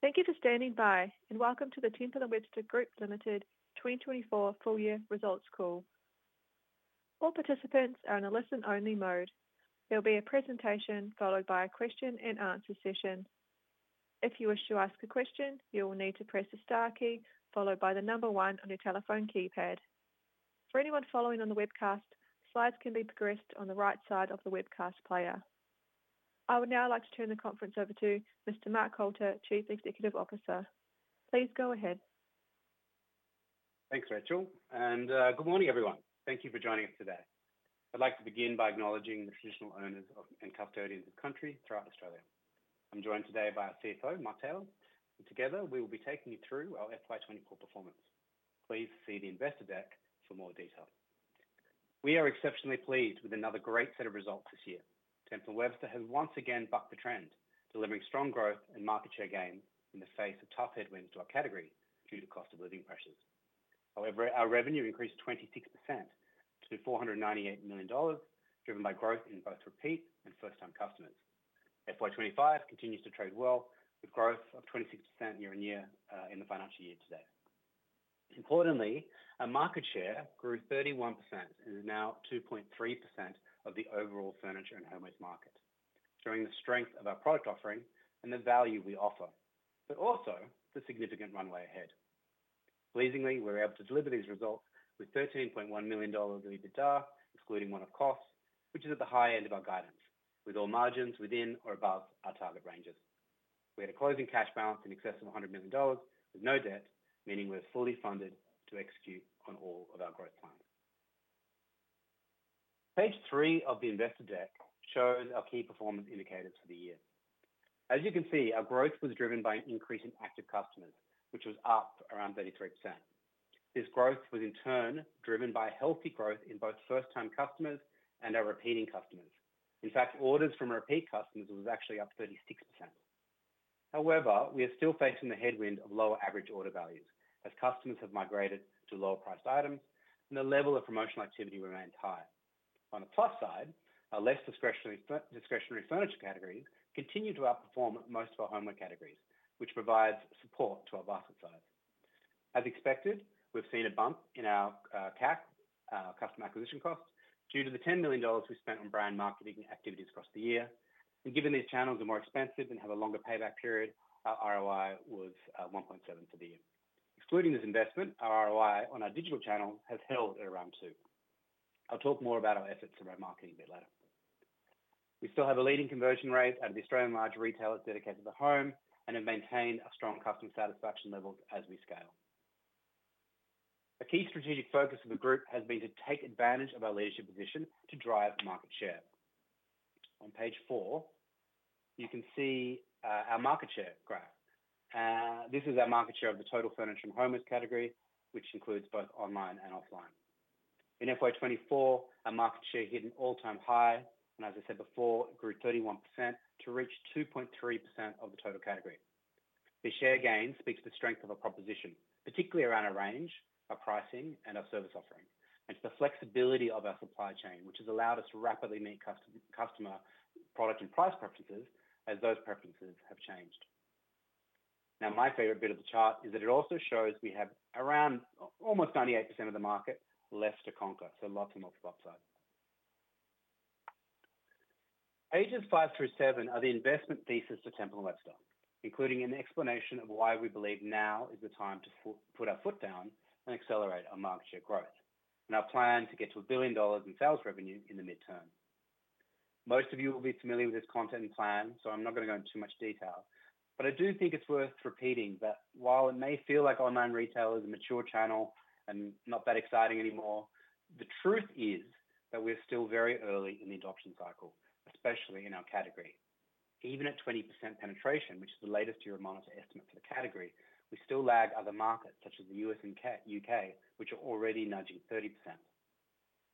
Thank you for standing by, and welcome to the Temple & Webster Group Limited 2024 Full Year Results Call. All participants are in a listen-only mode. There will be a presentation followed by a question-and-answer session. If you wish to ask a question, you will need to press the star key followed by the number 1 on your telephone keypad. For anyone following on the webcast, slides can be progressed on the right side of the webcast player. I would now like to turn the conference over to Mr. Mark Coulter, Chief Executive Officer. Please go ahead. Thanks, Rachel, and good morning, everyone. Thank you for joining us today. I'd like to begin by acknowledging the traditional owners of, and custodians of the country throughout Australia. I'm joined today by our CFO, Mark Taylor, and together we will be taking you through our FY 2024 performance. Please see the investor deck for more detail. We are exceptionally pleased with another great set of results this year. Temple & Webster has once again bucked the trend, delivering strong growth and market share gain in the face of tough headwinds to our category due to cost of living pressures. However, our revenue increased 26% to 498 million dollars, driven by growth in both repeat and first-time customers. FY 2025 continues to trade well, with growth of 26% year-on-year in the financial year to date. Importantly, our market share grew 31% and is now 2.3% of the overall furniture and home goods market, showing the strength of our product offering and the value we offer, but also the significant runway ahead. Pleasingly, we were able to deliver these results with 13.1 million dollars in EBITDA, excluding one-off costs, which is at the high end of our guidance. With all margins within or above our target ranges. We had a closing cash balance in excess of 100 million dollars, with no debt, meaning we're fully funded to execute on all of our growth plans. Page 3 of the investor deck shows our key performance indicators for the year. As you can see, our growth was driven by an increase in active customers, which was up around 33%. This growth was in turn driven by healthy growth in both first-time customers and our repeating customers. In fact, orders from repeat customers was actually up 36%. However, we are still facing the headwind of lower average order values as customers have migrated to lower-priced items, and the level of promotional activity remains high. On the plus side, our less discretionary furniture categories continue to outperform most of our homewares categories, which provides support to our basket size. As expected, we've seen a bump in our CAC, customer acquisition costs, due to the 10 million dollars we spent on brand marketing activities across the year. And given these channels are more expensive and have a longer payback period, our ROI was 1.7 for the year. Excluding this investment, our ROI on our digital channel has held at around 2. I'll talk more about our efforts around marketing a bit later. We still have a leading conversion rate out of the Australian large retailers dedicated to the home and have maintained a strong customer satisfaction level as we scale. A key strategic focus of the group has been to take advantage of our leadership position to drive market share. On page 4, you can see, our market share graph. This is our market share of the total furniture and home goods category, which includes both online and offline. In FY 2024, our market share hit an all-time high, and as I said before, it grew 31% to reach 2.3% of the total category. The share gain speaks to the strength of our proposition, particularly around our range, our pricing, and our service offering, and to the flexibility of our supply chain, which has allowed us to rapidly meet customer product and price preferences as those preferences have changed. Now, my favorite bit of the chart is that it also shows we have around almost 98% of the market left to conquer, so lots and lots of upside. Pages 5 through 7 are the investment thesis for Temple & Webster, including an explanation of why we believe now is the time to put our foot down and accelerate our market share growth, and our plan to get to 1 billion dollars in sales revenue in the midterm. Most of you will be familiar with this content and plan, so I'm not gonna go into too much detail. But I do think it's worth repeating that while it may feel like online retail is a mature channel and not that exciting anymore, the truth is that we're still very early in the adoption cycle, especially in our category. Even at 20% penetration, which is the latest Euromonitor estimate for the category, we still lag other markets such as the U.S. and U.K., which are already nudging 30%.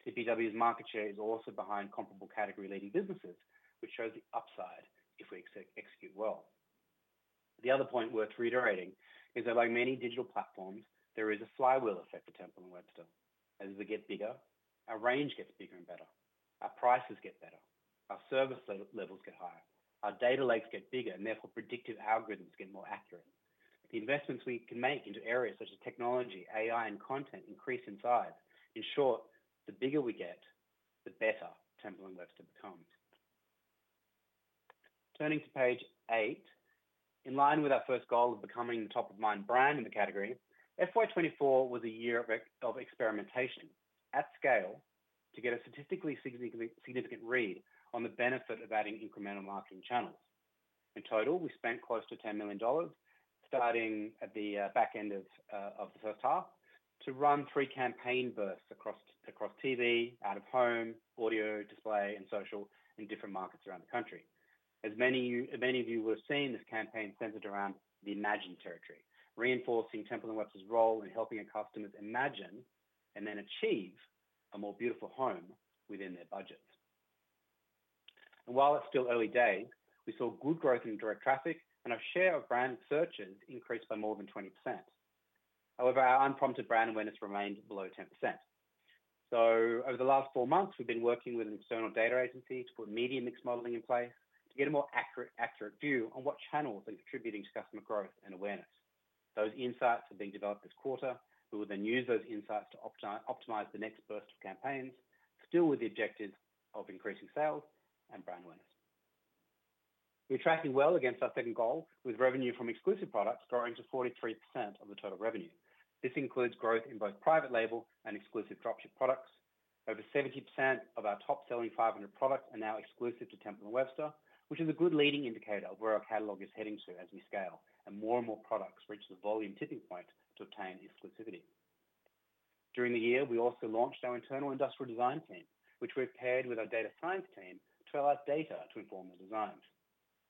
TPW's market share is also behind comparable category-leading businesses, which shows the upside if we execute well. The other point worth reiterating is that like many digital platforms, there is a flywheel effect for Temple & Webster. As we get bigger, our range gets bigger and better, our prices get better, our service levels get higher, our data lakes get bigger, and therefore predictive algorithms get more accurate. The investments we can make into areas such as technology, AI, and content increase in size. In short, the bigger we get, the better Temple & Webster becomes. Turning to page 8. In line with our first goal of becoming the top-of-mind brand in the category, FY 2024 was a year of experimentation at scale to get a statistically significant read on the benefit of adding incremental marketing channels. In total, we spent close to 10 million dollars, starting at the back end of the first half, to run 3 campaign bursts across TV, out-of-home, audio, display, and social in different markets around the country. As many of you will have seen, this campaign centered around the imagined territory, reinforcing Temple & Webster's role in helping our customers imagine and then achieve a more beautiful home within their budgets. And while it's still early days, we saw good growth in direct traffic, and our share of brand searches increased by more than 20%.... However, our unprompted brand awareness remains below 10%. So over the last 4 months, we've been working with an external data agency to put media mix modeling in place to get a more accurate, accurate view on what channels are contributing to customer growth and awareness. Those insights are being developed this quarter. We will then use those insights to optimize the next burst of campaigns, still with the objective of increasing sales and brand awareness. We're tracking well against our second goal, with revenue from exclusive products growing to 43% of the total revenue. This includes growth in both private label and exclusive dropship products. Over 70% of our top-selling 500 products are now exclusive to Temple & Webster, which is a good leading indicator of where our catalog is heading to as we scale, and more and more products reach the volume tipping point to obtain exclusivity. During the year, we also launched our internal industrial design team, which we've paired with our data science team to allow data to inform the designs.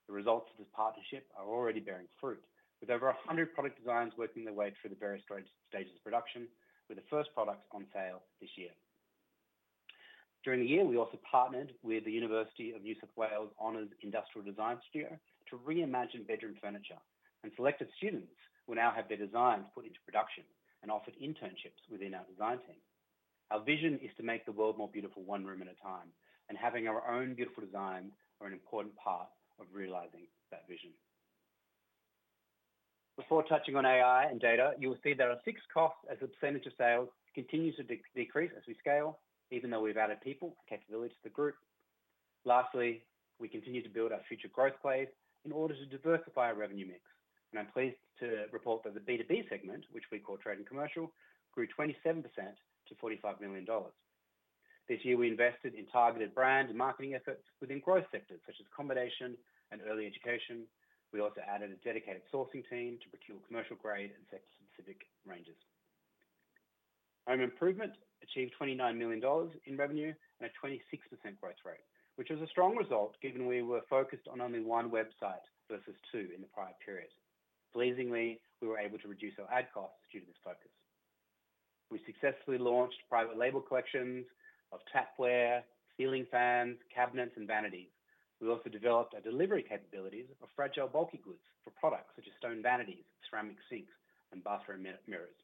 The results of this partnership are already bearing fruit, with over 100 product designs working their way through the various stages of production, with the first products on sale this year. During the year, we also partnered with the University of New South Wales Honors Industrial Design to reimagine bedroom furniture, and selected students will now have their designs put into production and offered internships within our design team. Our vision is to make the world more beautiful, one room at a time, and having our own beautiful designs are an important part of realizing that vision. Before touching on AI and data, you will see that our fixed costs as a percentage of sales continues to decrease as we scale, even though we've added people and capability to the group. Lastly, we continue to build our future growth plays in order to diversify our revenue mix, and I'm pleased to report that the B2B segment, which we call Trade & Commercial, grew 27% to 45 million dollars. This year, we invested in targeted brand and marketing efforts within growth sectors such as accommodation and early education. We also added a dedicated sourcing team to procure commercial grade and sector-specific ranges. Home improvement achieved 29 million dollars in revenue and a 26% growth rate, which is a strong result given we were focused on only 1 website versus 2 in the prior period. Pleasingly, we were able to reduce our ad costs due to this focus. We successfully launched private label collections of tapware, ceiling fans, cabinets, and vanities. We also developed our delivery capabilities of fragile, bulky goods for products such as stone vanities, ceramic sinks, and bathroom mirrors.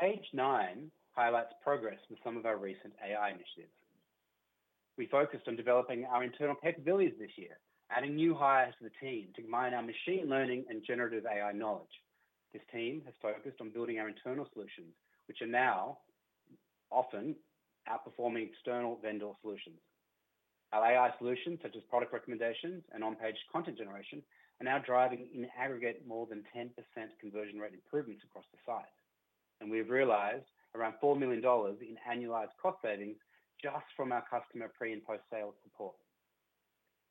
Page 9 highlights progress with some of our recent AI initiatives. We focused on developing our internal capabilities this year, adding new hires to the team to mine our machine learning and generative AI knowledge. This team has focused on building our internal solutions, which are now often outperforming external vendor solutions. Our AI solutions, such as product recommendations and on-page content generation, are now driving, in aggregate, more than 10% conversion rate improvements across the site. We've realized around 4 million dollars in annualized cost savings just from our customer pre- and post-sales support.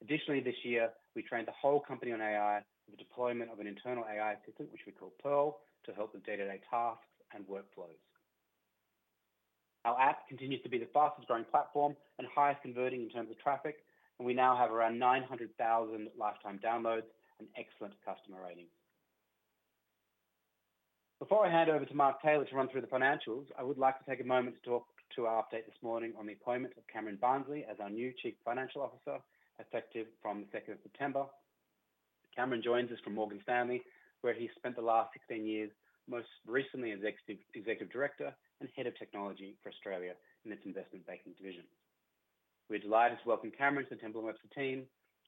Additionally, this year, we trained the whole company on AI with the deployment of an internal AI assistant, which we call Pearl, to help with day-to-day tasks and workflows. Our app continues to be the fastest growing platform and highest converting in terms of traffic, and we now have around 900,000 lifetime downloads and excellent customer ratings. Before I hand over to Mark Taylor to run through the financials, I would like to take a moment to talk about our update this morning on the appointment of Cameron Barnsley as our new Chief Financial Officer, effective from the second of September. Cameron joins us from Morgan Stanley, where he spent the last 16 years, most recently as Executive Director and Head of Technology for Australia in its investment banking division. We're delighted to welcome Cameron to the Temple & Webster team.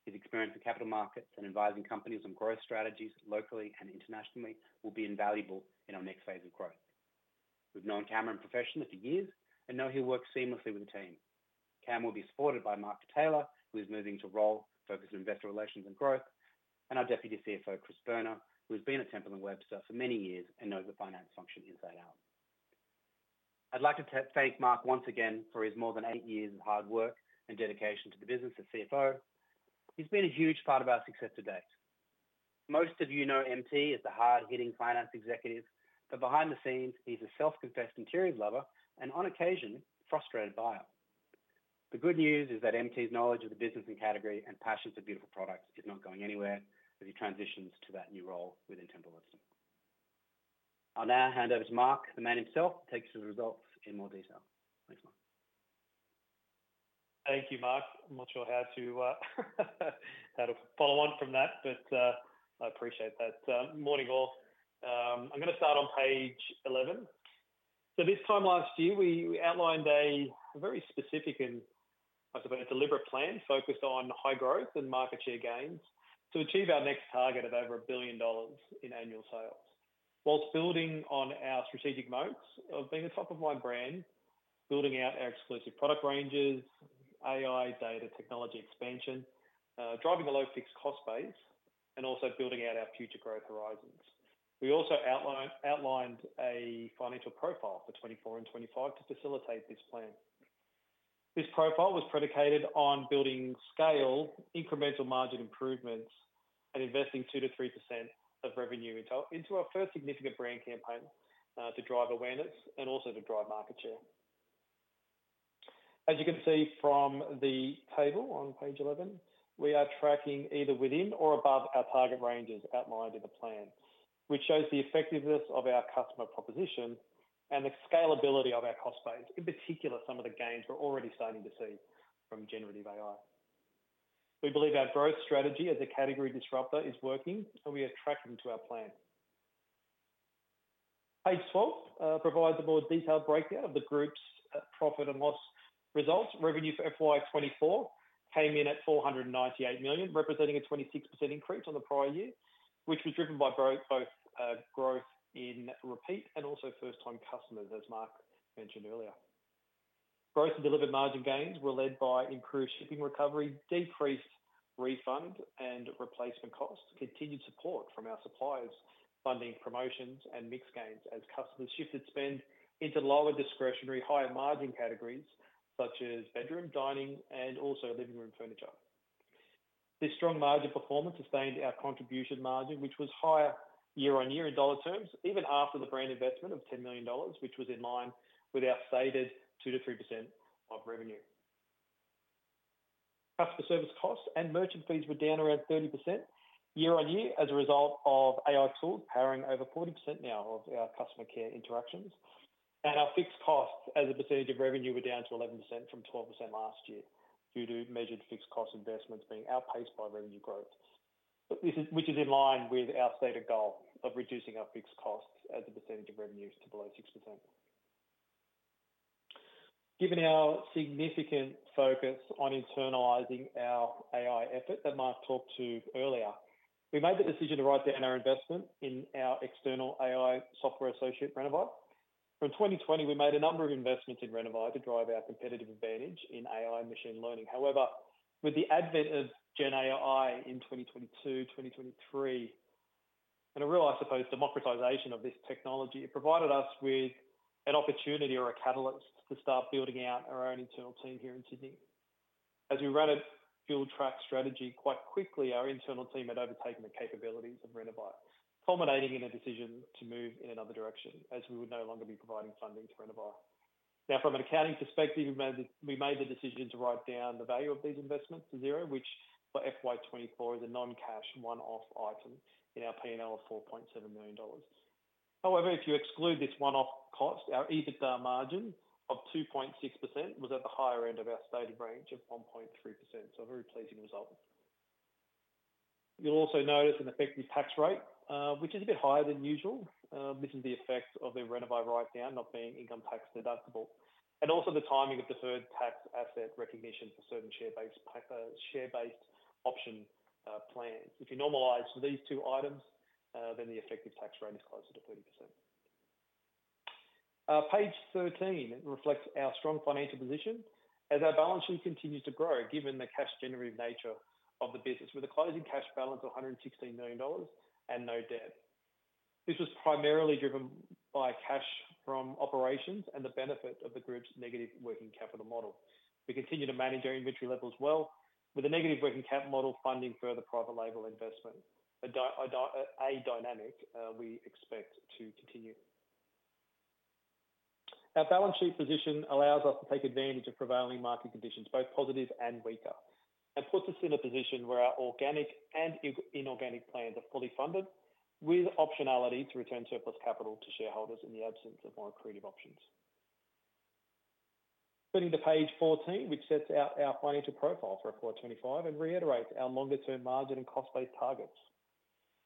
His experience in capital markets and advising companies on growth strategies, locally and internationally, will be invaluable in our next phase of growth. We've known Cameron professionally for years and know he'll work seamlessly with the team. Cam will be supported by Mark Taylor, who is moving to a role focused on investor relations and growth, and our Deputy CFO, Chris Berner, who has been at Temple & Webster for many years and knows the finance function inside out. I'd like to thank Mark once again for his more than 8 years of hard work and dedication to the business as CFO. He's been a huge part of our success to date. Most of you know MT as a hard-hitting finance executive, but behind the scenes, he's a self-confessed interiors lover and on occasion, frustrated buyer. The good news is that MT's knowledge of the business and category and passion for beautiful products is not going anywhere as he transitions to that new role within Temple & Webster. I'll now hand over to Mark, the man himself, to take us through the results in more detail. Thanks, Mark. Thank you, Mark. I'm not sure how to follow on from that, but I appreciate that. Morning, all. I'm gonna start on page 11. This time last year, we outlined a very specific and, I suppose, a deliberate plan focused on high growth and market share gains to achieve our next target of over 1 billion dollars in annual sales, while building on our strategic moats of being a top-of-mind brand, building out our exclusive product ranges, AI, data, technology expansion, driving the low fixed cost base, and also building out our future growth horizons. We also outlined a financial profile for 2024 and 2025 to facilitate this plan. This profile was predicated on building scale, incremental margin improvements, and investing 2%-3% of revenue into our, into our first significant brand campaign, to drive awareness and also to drive market share. As you can see from the table on page 11, we are tracking either within or above our target ranges outlined in the plan, which shows the effectiveness of our customer proposition and the scalability of our cost base, in particular, some of the gains we're already starting to see from generative AI.... We believe our growth strategy as a category disruptor is working, and we are tracking to our plan. Page 12 provides a more detailed breakdown of the group's profit and loss results. Revenue for FY 2024 came in at 498 million, representing a 26% increase on the prior year, which was driven by both growth in repeat and also first-time customers, as Mark mentioned earlier. Growth and delivered margin gains were led by improved shipping recovery, decreased refund and replacement costs, continued support from our suppliers, funding promotions, and mix gains as customers shifted spend into lower discretionary, higher-margin categories such as bedroom, dining, and also living room furniture. This strong margin performance sustained our contribution margin, which was higher year-on-year in dollar terms, even after the brand investment of 10 million dollars, which was in line with our stated 2%-3% of revenue. Customer service costs and merchant fees were down around 30% year-on-year as a result of AI tools powering over 40% now of our customer care interactions. Our fixed costs as a percentage of revenue were down to 11% from 12% last year, due to measured fixed cost investments being outpaced by revenue growth. But this, which is in line with our stated goal of reducing our fixed costs as a percentage of revenues to below 6%. Given our significant focus on internalizing our AI effort that Mark talked to earlier, we made the decision to write down our investment in our external AI software associate, Renovai. From 2020, we made a number of investments in Renovai to drive our competitive advantage in AI and machine learning. However, with the advent of Gen AI in 2022, 2023, and a real, I suppose, democratization of this technology, it provided us with an opportunity or a catalyst to start building out our own internal team here in Sydney. As we ran a field track strategy, quite quickly, our internal team had overtaken the capabilities of Renovai, culminating in a decision to move in another direction, as we would no longer be providing funding to Renovai. Now, from an accounting perspective, we made the decision to write down the value of these investments to zero, which for FY 2024 is a non-cash, one-off item in our P&L of 4.7 million dollars. However, if you exclude this one-off cost, our EBITDA margin of 2.6% was at the higher end of our stated range of 1.3%. So a very pleasing result. You'll also notice an effective tax rate, which is a bit higher than usual. This is the effect of the Renovai write-down not being income tax deductible, and also the timing of deferred tax asset recognition for certain share-based option plans. If you normalize for these two items, then the effective tax rate is closer to 30%. Page 13 reflects our strong financial position as our balance sheet continues to grow, given the cash-generative nature of the business, with a closing cash balance of 116 million dollars and no debt. This was primarily driven by cash from operations and the benefit of the group's negative working capital model. We continue to manage our inventory levels well, with a negative working capital model, funding further private label investment, a dynamic, we expect to continue. Our balance sheet position allows us to take advantage of prevailing market conditions, both positive and weaker, and puts us in a position where our organic and in-inorganic plans are fully funded, with optionality to return surplus capital to shareholders in the absence of more accretive options. Turning to page 14, which sets out our financial profile for FY 2025 and reiterates our longer-term margin and cost-based targets.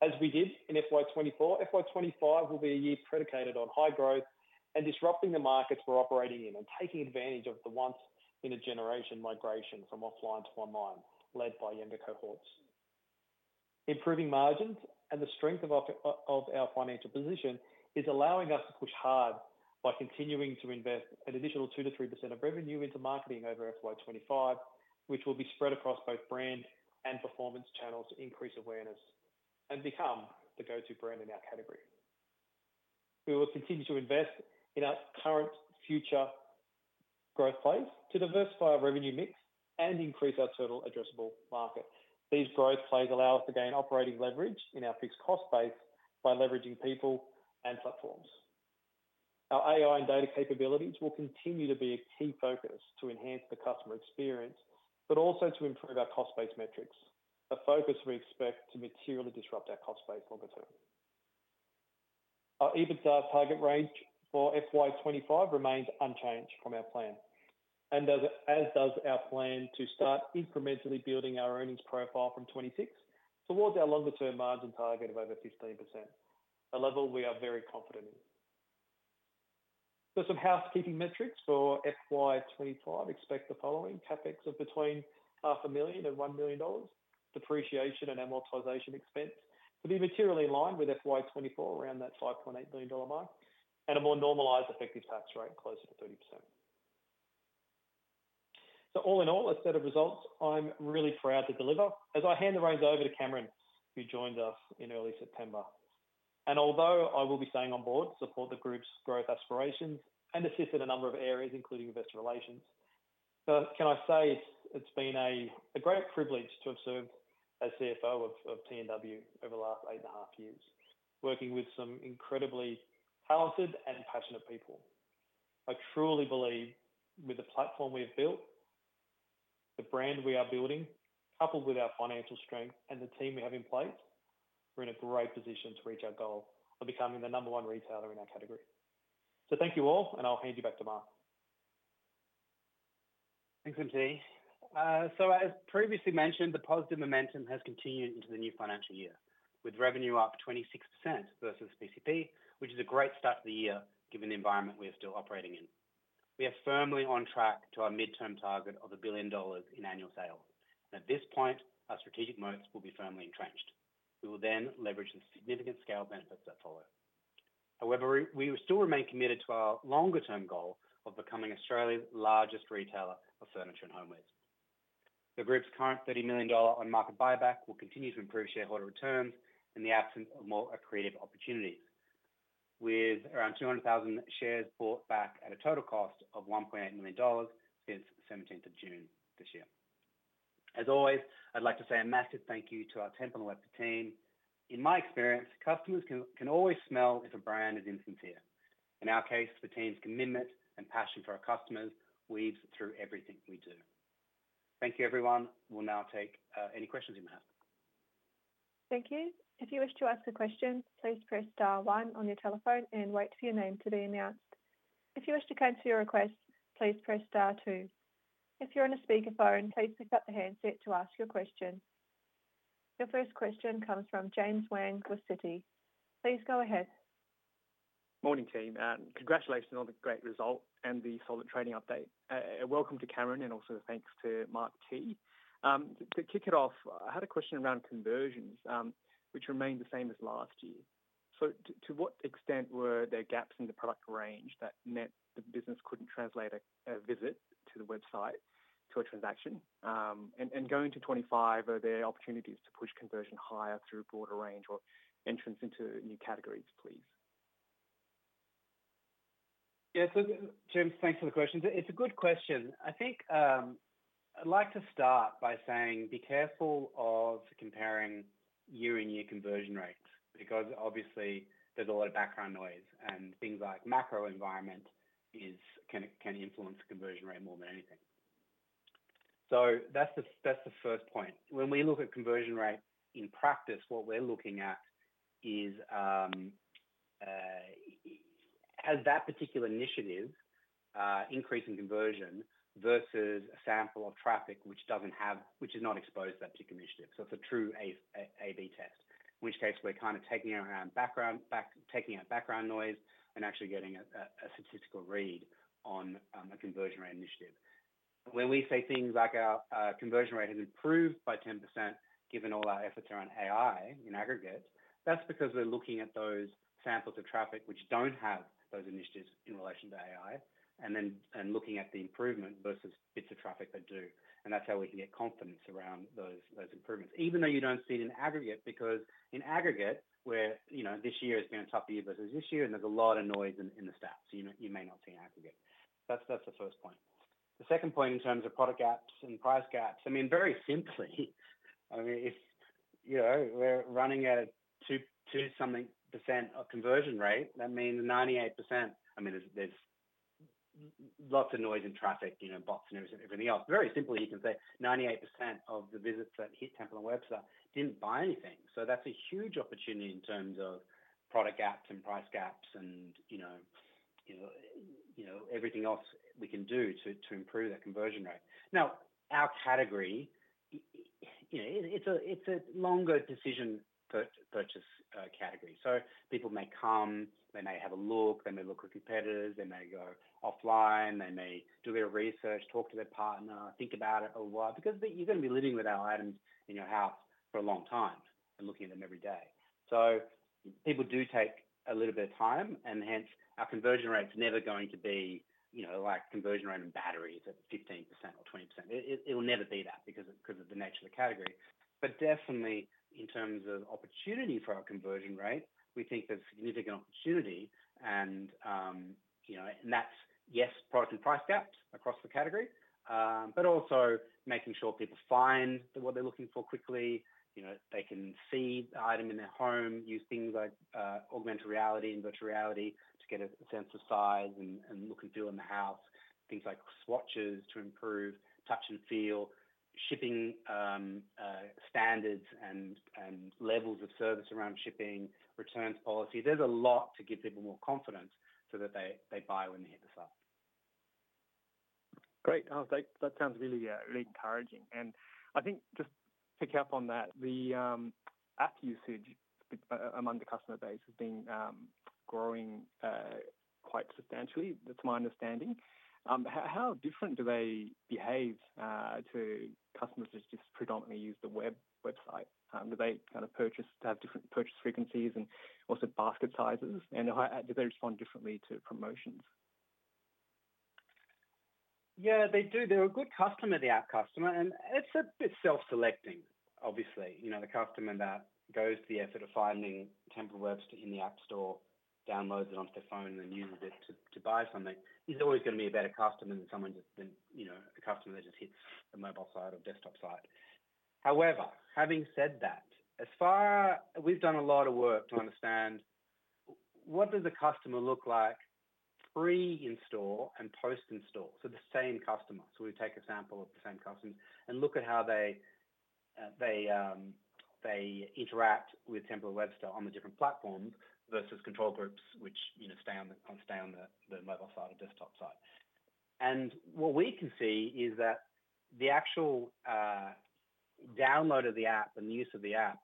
As we did in FY 2024, FY 2025 will be a year predicated on high growth and disrupting the markets we're operating in, and taking advantage of the once-in-a-generation migration from offline to online, led by younger cohorts. Improving margins and the strength of our of our financial position is allowing us to push hard by continuing to invest an additional 2%-3% of revenue into marketing over FY 2025, which will be spread across both brand and performance channels to increase awareness and become the go-to brand in our category. We will continue to invest in our current future growth plays to diversify our revenue mix and increase our total addressable market. These growth plays allow us to gain operating leverage in our fixed cost base by leveraging people and platforms. Our AI and data capabilities will continue to be a key focus to enhance the customer experience, but also to improve our cost base metrics, a focus we expect to materially disrupt our cost base longer term. Our EBITDA target range for FY 2025 remains unchanged from our plan, and as does our plan to start incrementally building our earnings profile from 26 towards our longer-term margin target of over 15%, a level we are very confident in. So some housekeeping metrics for FY 2025, expect the following: CapEx of between 500,000 and 1 million dollars, depreciation and amortization expense to be materially in line with FY 2024, around that 5.8 million dollar mark, and a more normalized effective tax rate closer to 30%. So all in all, a set of results I'm really proud to deliver. As I hand the reins over to Cameron, who joined us in early September, and although I will be staying on board to support the group's growth aspirations and assist in a number of areas, including investor relations, so can I say it's been a great privilege to have served as CFO of T&W over the last eight and a half years, working with some incredibly talented and passionate people. I truly believe with the platform we have built, the brand we are building, coupled with our financial strength and the team we have in place, we're in a great position to reach our goal of becoming the number one retailer in our category.... So thank you all, and I'll hand you back to Mark. Thanks, MT. So as previously mentioned, the positive momentum has continued into the new financial year, with revenue up 26% versus PCP, which is a great start to the year, given the environment we are still operating in. We are firmly on track to our midterm target of 1 billion dollars in annual sales. At this point, our strategic moats will be firmly entrenched. We will then leverage the significant scale benefits that follow. However, we still remain committed to our longer-term goal of becoming Australia's largest retailer of furniture and homewares. The group's current 30 million dollar on-market buyback will continue to improve shareholder returns in the absence of more accretive opportunities. With around 200,000 shares bought back at a total cost of 1.8 million dollars since the 17th of June this year. As always, I'd like to say a massive thank you to our Temple & Webster team. In my experience, customers can always smell if a brand is insincere. In our case, the team's commitment and passion for our customers weaves through everything we do. Thank you, everyone. We'll now take any questions you may have. Thank you. If you wish to ask a question, please press star one on your telephone and wait for your name to be announced. If you wish to cancel your request, please press star two. If you're on a speakerphone, please pick up the handset to ask your question. Your first question comes from James Wang of Citi. Please go ahead. Morning, team, and congratulations on the great result and the solid trading update. Welcome to Cameron, and also thanks to Mark T. To kick it off, I had a question around conversions, which remained the same as last year. So to what extent were there gaps in the product range that meant the business couldn't translate a visit to the website to a transaction? And going to 25, are there opportunities to push conversion higher through a broader range or entrance into new categories, please? Yeah. So James, thanks for the question. It's a good question. I think I'd like to start by saying, be careful of comparing year-on-year conversion rates, because obviously there's a lot of background noise and things like macro environment can influence the conversion rate more than anything. That's the first point. When we look at conversion rates, in practice, what we're looking at is has that particular initiative increasing conversion versus a sample of traffic, which is not exposed to that particular initiative. It's a true A/B test, in which case we're kind of taking out background noise and actually getting a statistical read on a conversion rate initiative. When we say things like our conversion rate has improved by 10%, given all our efforts around AI in aggregate, that's because we're looking at those samples of traffic which don't have those initiatives in relation to AI, and then, and looking at the improvement versus bits of traffic that do. And that's how we can get confidence around those, those improvements. Even though you don't see it in aggregate, because in aggregate, where, you know, this year has been a tough year versus this year, and there's a lot of noise in, in the stats, so you know, you may not see in aggregate. That's, that's the first point. The second point in terms of product gaps and price gaps, I mean, very simply, I mean, if, you know, we're running at a 2%, 2-something% conversion rate, that means 98%. I mean, there's lots of noise in traffic, you know, bots and everything else. Very simply, you can say 98% of the visitors that hit Temple & Webster didn't buy anything. So that's a huge opportunity in terms of product gaps and price gaps and, you know, you know, you know, everything else we can do to improve that conversion rate. Now, our category, you know, it's a longer decision purchase category. So people may come, they may have a look, they may look at competitors, they may go offline, they may do a bit of research, talk to their partner, think about it a while, because you're going to be living with our items in your house for a long time and looking at them every day. So people do take a little bit of time, and hence, our conversion rate is never going to be, you know, like conversion rate on batteries at 15% or 20%. It will never be that because of the nature of the category. But definitely in terms of opportunity for our conversion rate, we think there's significant opportunity and, you know, and that's, yes, product and price gaps across the category, but also making sure people find what they're looking for quickly. You know, they can see the item in their home, use things like augmented reality and virtual reality to get a sense of size and look and feel in the house. Things like swatches to improve touch and feel, shipping standards and levels of service around shipping, returns policy. There's a lot to give people more confidence so that they buy when they hit the site. Great. Oh, that, that sounds really, really encouraging. And I think just to pick up on that, the app usage among the customer base has been growing quite substantially. That's my understanding. How different do they behave to customers who just predominantly use the website? Do they kind of have different purchase frequencies and also basket sizes, and how do they respond differently to promotions? Yeah, they do. They're a good customer, the app customer, and it's a bit self-selecting, obviously. You know, the customer that goes to the effort of finding Temple & Webster in the App Store, downloads it onto their phone, and then uses it to buy something, is always going to be a better customer than someone just, you know, a customer that just hits the mobile site or desktop site. However, having said that, as far... We've done a lot of work to understand what does a customer look like pre-install and post-install, so the same customer. So we take a sample of the same customers and look at how they interact with Temple & Webster on the different platforms versus control groups, which, you know, stay on the mobile site or desktop site. What we can see is that the actual download of the app and use of the app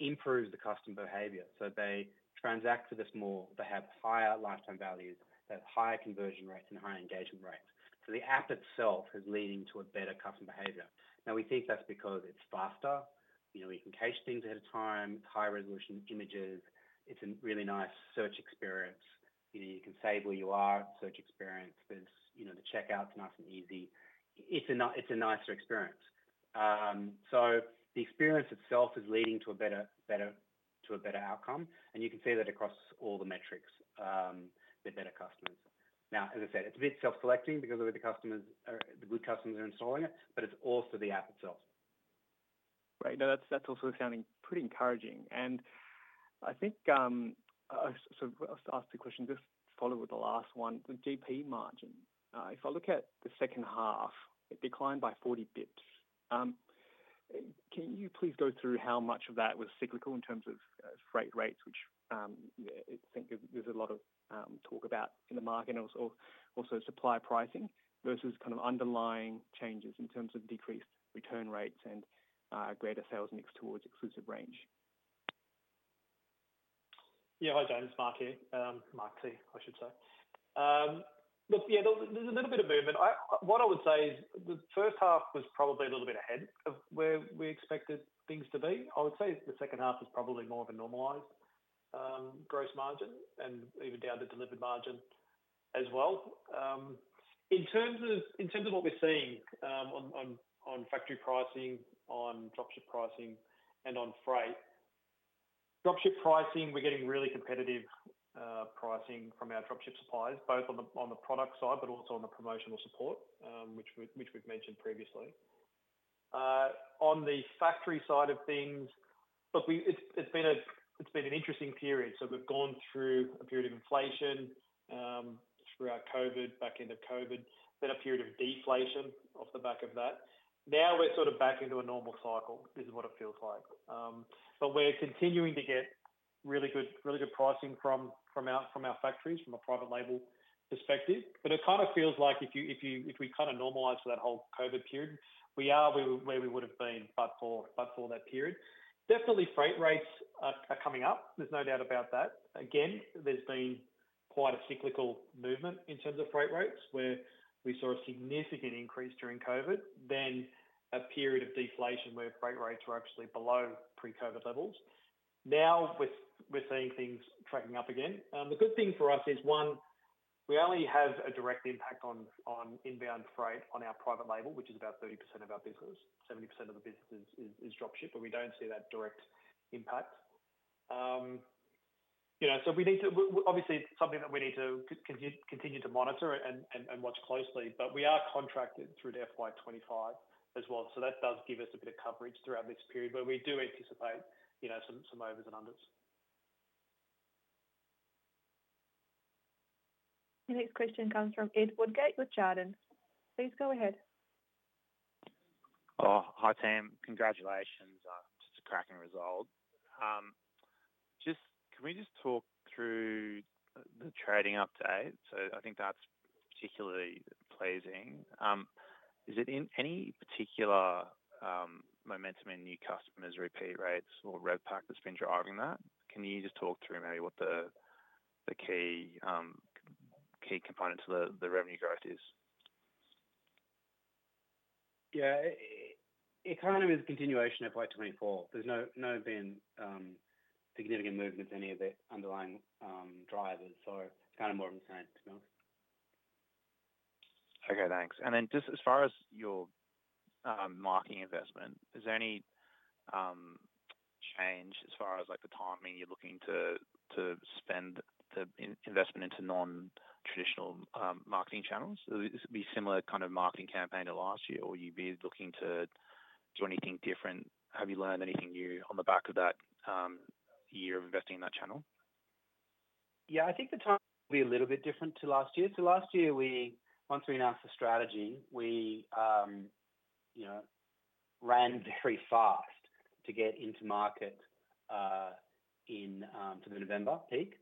improves the customer behavior. So they transact with us more, they have higher lifetime values, they have higher conversion rates, and higher engagement rates. So the app itself is leading to a better customer behavior. Now, we think that's because it's faster. You know, we can cache things ahead of time, high-resolution images. It's a really nice search experience. You know, you can save where you are, search experience. There's, you know, the checkout's nice and easy. It's a nicer experience. So the experience itself is leading to a better, better, to a better outcome, and you can see that across all the metrics, they're better customers. Now, as I said, it's a bit self-selecting because of the customers are... The good customers are installing it, but it's also the app itself. Right. No, that's, that's also sounding pretty encouraging. And I think, so I'll ask the question, just follow with the last one, the GP margin. If I look at the second half, it declined by 40 basis points. Can you please go through how much of that was cyclical in terms of, freight rates, which, I think there's a lot of, talk about in the market, and also, also supply pricing versus kind of underlying changes in terms of decreased return rates and, greater sales mix towards exclusive range? Yeah. Hi, James, Mark here. Mark Coulter, I should say. Look, yeah, there's a little bit of movement. What I would say is the first half was probably a little bit ahead of where we expected things to be. I would say the second half is probably more of a normalized gross margin and even down the delivered margin as well. In terms of what we're seeing on factory pricing, on dropship pricing, and on freight. Dropship pricing, we're getting really competitive pricing from our dropship suppliers, both on the product side, but also on the promotional support, which we've mentioned previously. On the factory side of things, look, it's been an interesting period. So we've gone through a period of inflation throughout COVID, back end of COVID, then a period of deflation off the back of that. Now we're sort of back into a normal cycle. This is what it feels like. But we're continuing to get really good, really good pricing from, from our, from our factories from a private label perspective. But it kind of feels like if you, if you, if we kind of normalize to that whole COVID period, we are where we would have been but for, but for that period. Definitely freight rates are, are coming up, there's no doubt about that. Again, there's been quite a cyclical movement in terms of freight rates, where we saw a significant increase during COVID, then a period of deflation where freight rates were actually below pre-COVID levels. Now, we're, we're seeing things tracking up again. The good thing for us is, one, we only have a direct impact on inbound freight on our private label, which is about 30% of our business. 70% of the business is dropship, where we don't see that direct impact. You know, so we need to obviously, it's something that we need to continue to monitor and watch closely, but we are contracted through to FY 2025 as well. So that does give us a bit of coverage throughout this period, but we do anticipate, you know, some overs and unders. The next question comes from Ed Woodgate with Jarden. Please go ahead. Oh, hi, team. Congratulations, just a cracking result. Can we just talk through the trading update? So I think that's particularly pleasing. Is it in any particular momentum in new customers, repeat rates, or rev pack that's been driving that? Can you just talk through maybe what the, the key, key component to the, the revenue growth is? Yeah, it kind of is a continuation of FY 2024. There's no significant movement to any of the underlying drivers, so kind of more of the same to be honest. Okay, thanks. And then just as far as your marketing investment, is there any change as far as, like, the timing you're looking to to spend the investment into non-traditional marketing channels? Will this be a similar kind of marketing campaign to last year, or will you be looking to do anything different? Have you learned anything new on the back of that year of investing in that channel? Yeah, I think the timing will be a little bit different to last year. So last year, once we announced the strategy, we, you know, ran very fast to get into market, in, to the November peak.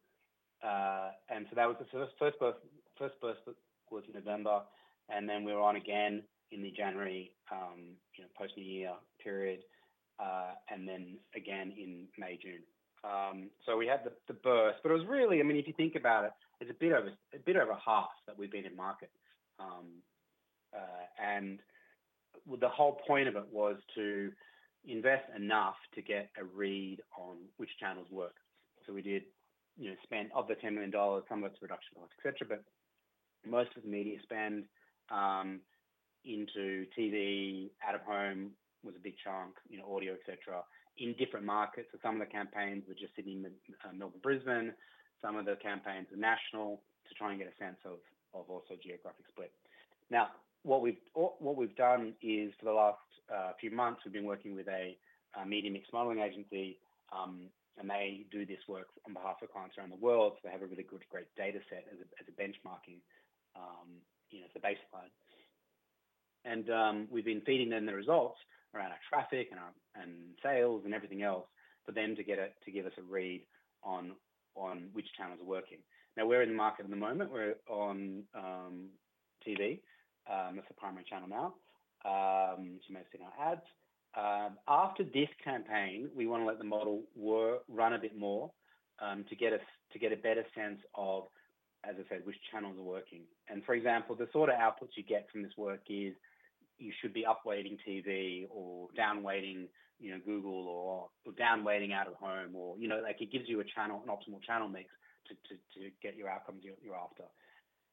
And so that was the first burst was in November, and then we were on again in the January, you know, post-New Year period, and then again in May, June. So we had the burst, but it was really... I mean, if you think about it, it's a bit of a half that we've been in market. And the whole point of it was to invest enough to get a read on which channels work. So we did, you know, spend of the 10 million dollars, some of it's reduction dollars, et cetera, but most of the media spend into TV, out-of-home was a big chunk, you know, audio, et cetera, in different markets. So some of the campaigns were just Sydney, Melbourne, and Brisbane. Some of the campaigns were national to try and get a sense of also geographic split. Now, what we've done is for the last few months, we've been working with a Media Mix Modeling agency, and they do this work on behalf of clients around the world. So they have a really good, great data set as a benchmarking, you know, as a baseline. And we've been feeding them the results around our traffic and our sales, and everything else, for them to get to give us a read on which channels are working. Now, where are we in the market at the moment? We're on TV, that's the primary channel now. So you may have seen our ads. After this campaign, we want to let the model work, run a bit more, to get to get a better sense of, as I said, which channels are working. And for example, the sort of outputs you get from this work is: you should be upweighting TV or downweighting, you know, Google, or downweighting out of home, or, you know, like, it gives you a channel, an optimal channel mix to get your outcomes you're after.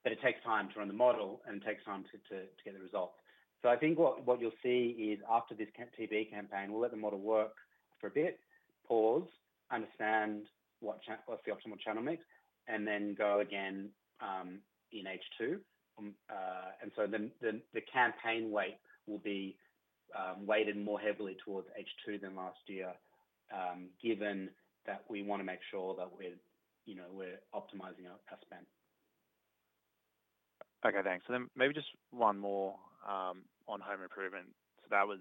But it takes time to run the model, and it takes time to get the results. So I think what you'll see is after this TV campaign, we'll let the model work for a bit, pause, understand what's the optimal channel mix, and then go again, in H2. And so then, the campaign weight will be weighted more heavily towards H2 than last year, given that we want to make sure that we're, you know, we're optimizing our spend. Okay, thanks. So then maybe just one more on home improvement. So that was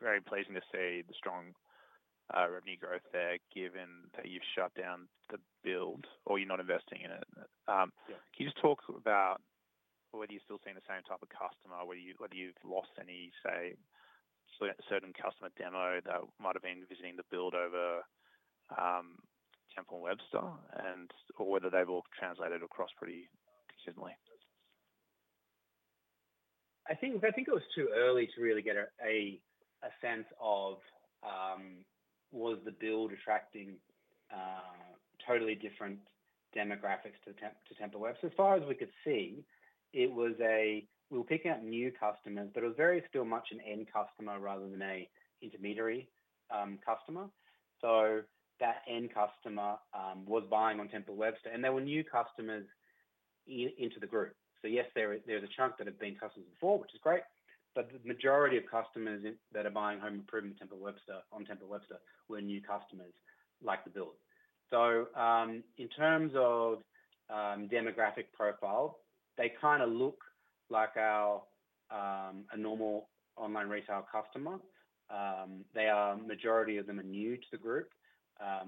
very pleasing to see the strong revenue growth there, given that you've shut down The Build or you're not investing in it. Yeah. Can you just talk about whether you're still seeing the same type of customer, whether you, whether you've lost any, say, certain customer demo that might have been visiting The Build over Temple & Webster and or whether they've all translated across pretty consistently? I think it was too early to really get a sense of was The Build attracting totally different demographics to Temple & Webster. As far as we could see, it was a... We were picking up new customers, but it was very still much an end customer rather than a intermediary customer. So that end customer was buying on Temple & Webster, and there were new customers into the group. So yes, there's a chunk that have been customers before, which is great, but the majority of customers that are buying home improvement Temple & Webster on Temple & Webster were new customers like The Build. So in terms of demographic profile, they kind of look like our a normal online retail customer. They are, majority of them are new to the group.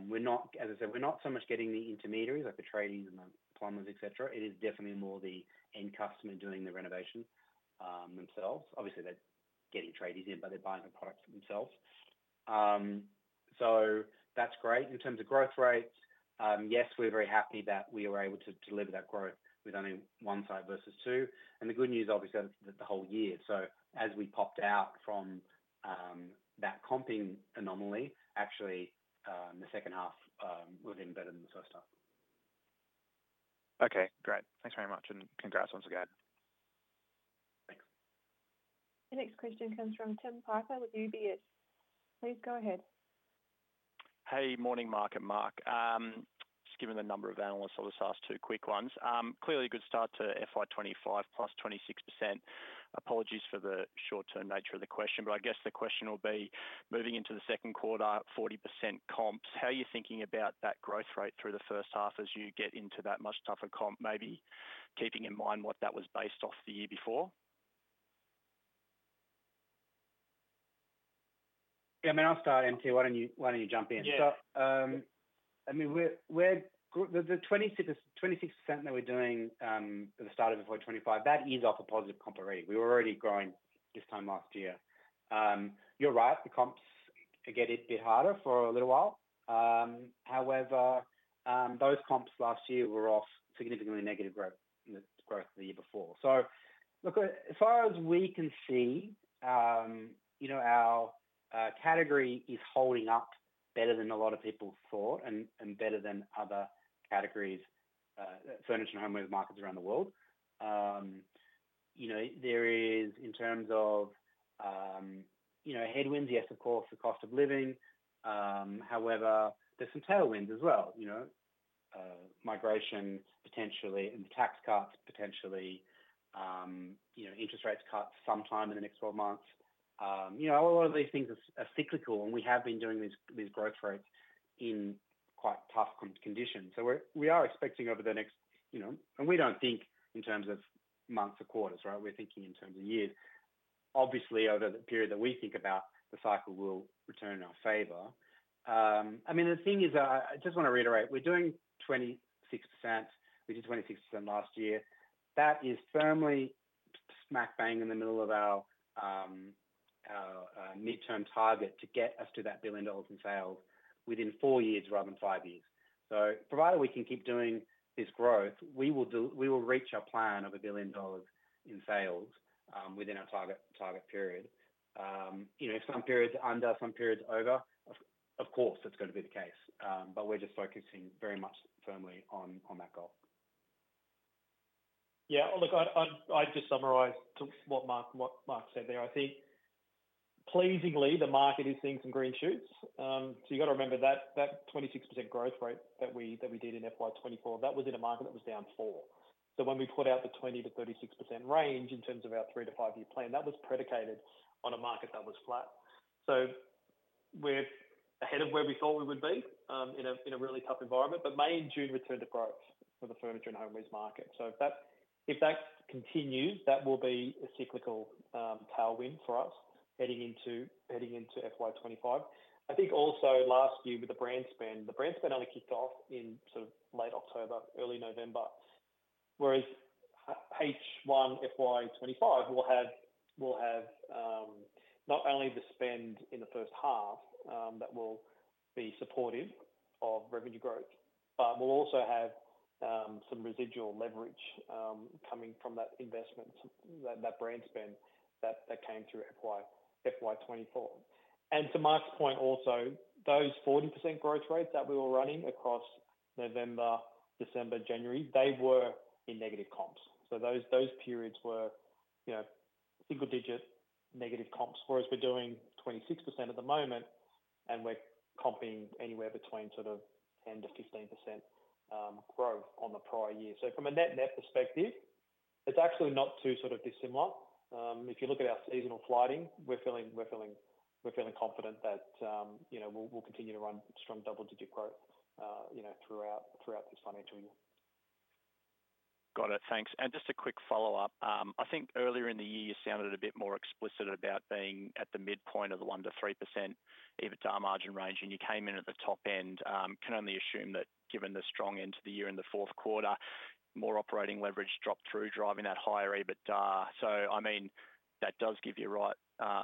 We're not, as I said, we're not so much getting the intermediaries, like the tradies and the plumbers, et cetera. It is definitely more the end customer doing the renovation, themselves. Obviously, they're getting tradies in, but they're buying the products themselves. So that's great. In terms of growth rates, yes, we're very happy that we were able to deliver that growth with only one site versus two. And the good news, obviously, that the whole year, so as we popped out from, that comping anomaly, actually, the second half, was even better than the first half. Okay, great. Thanks very much, and congrats once again. Thanks. The next question comes from Tim Piper with UBS. Please go ahead. Hey, morning, Mark and Mark. Just given the number of analysts, I'll just ask two quick ones. Clearly a good start to FY 2025, +2026%. Apologies for the short-term nature of the question, but I guess the question will be: moving into the second quarter, 40% comps, how are you thinking about that growth rate through the first half as you get into that much tougher comp, maybe keeping in mind what that was based off the year before? Yeah, I mean, I'll start, M.T., why don't you, why don't you jump in? Yeah. So, I mean, we're getting the 26% that we're doing at the start of FY 2025, that is off a positive comp already. We were already growing this time last year. You're right, the comps are getting a bit harder for a little while. However, those comps last year were off significantly negative growth the year before. So look, as far as we can see, you know, our category is holding up better than a lot of people thought and better than other categories, furniture and home goods markets around the world. You know, there is, in terms of, you know, headwinds, yes, of course, the cost of living. However, there's some tailwinds as well, you know, migration potentially, and tax cuts potentially, you know, interest rates cut sometime in the next 12 months. You know, a lot of these things are cyclical, and we have been doing these growth rates in quite tough conditions. So we are expecting over the next, you know. And we don't think in terms of months or quarters, right? We're thinking in terms of years. Obviously, over the period that we think about, the cycle will return in our favor. I mean, the thing is, I just want to reiterate, we're doing 26%, we did 26% last year. That is firmly smack bang in the middle of our midterm target to get us to that 1 billion dollars in sales within four years rather than five years. So provided we can keep doing this growth, we will reach our plan of 1 billion dollars in sales within our target period. You know, some periods under, some periods over, of course, that's going to be the case. But we're just focusing very much firmly on that goal. Yeah. Look, I'd just summarize to what Mark said there. I think, pleasingly, the market is seeing some green shoots. So you've got to remember that twenty-six percent growth rate that we did in FY 2024, that was in a market that was down 4%. So when we put out the 20%-36% range in terms of our 3- to 5-year plan, that was predicated on a market that was flat. So we're ahead of where we thought we would be, in a really tough environment. But May and June returned to growth for the furniture and homewares market. So if that continues, that will be a cyclical tailwind for us heading into FY 2025. I think also last year with the brand spend, the brand spend only kicked off in sort of late October, early November, whereas H1 FY 2025 will have not only the spend in the first half that will be supportive of revenue growth, but we'll also have some residual leverage coming from that investment, that brand spend that came through FY 2024. And to Mark's point also, those 40% growth rates that we were running across November, December, January, they were in negative comps. So those periods were, you know, single-digit negative comps, whereas we're doing 26% at the moment, and we're comping anywhere between sort of 10%-15% growth on the prior year. So from a net-net perspective, it's actually not too sort of dissimilar. If you look at our seasonal flighting, we're feeling confident that, you know, we'll continue to run strong double-digit growth, you know, throughout the financial year. Got it. Thanks. And just a quick follow-up. I think earlier in the year, you sounded a bit more explicit about being at the midpoint of the 1%-3% EBITDA margin range, and you came in at the top end. Can only assume that given the strong end to the year in the fourth quarter, more operating leverage dropped through, driving that higher EBITDA. So, I mean, that does give you, right,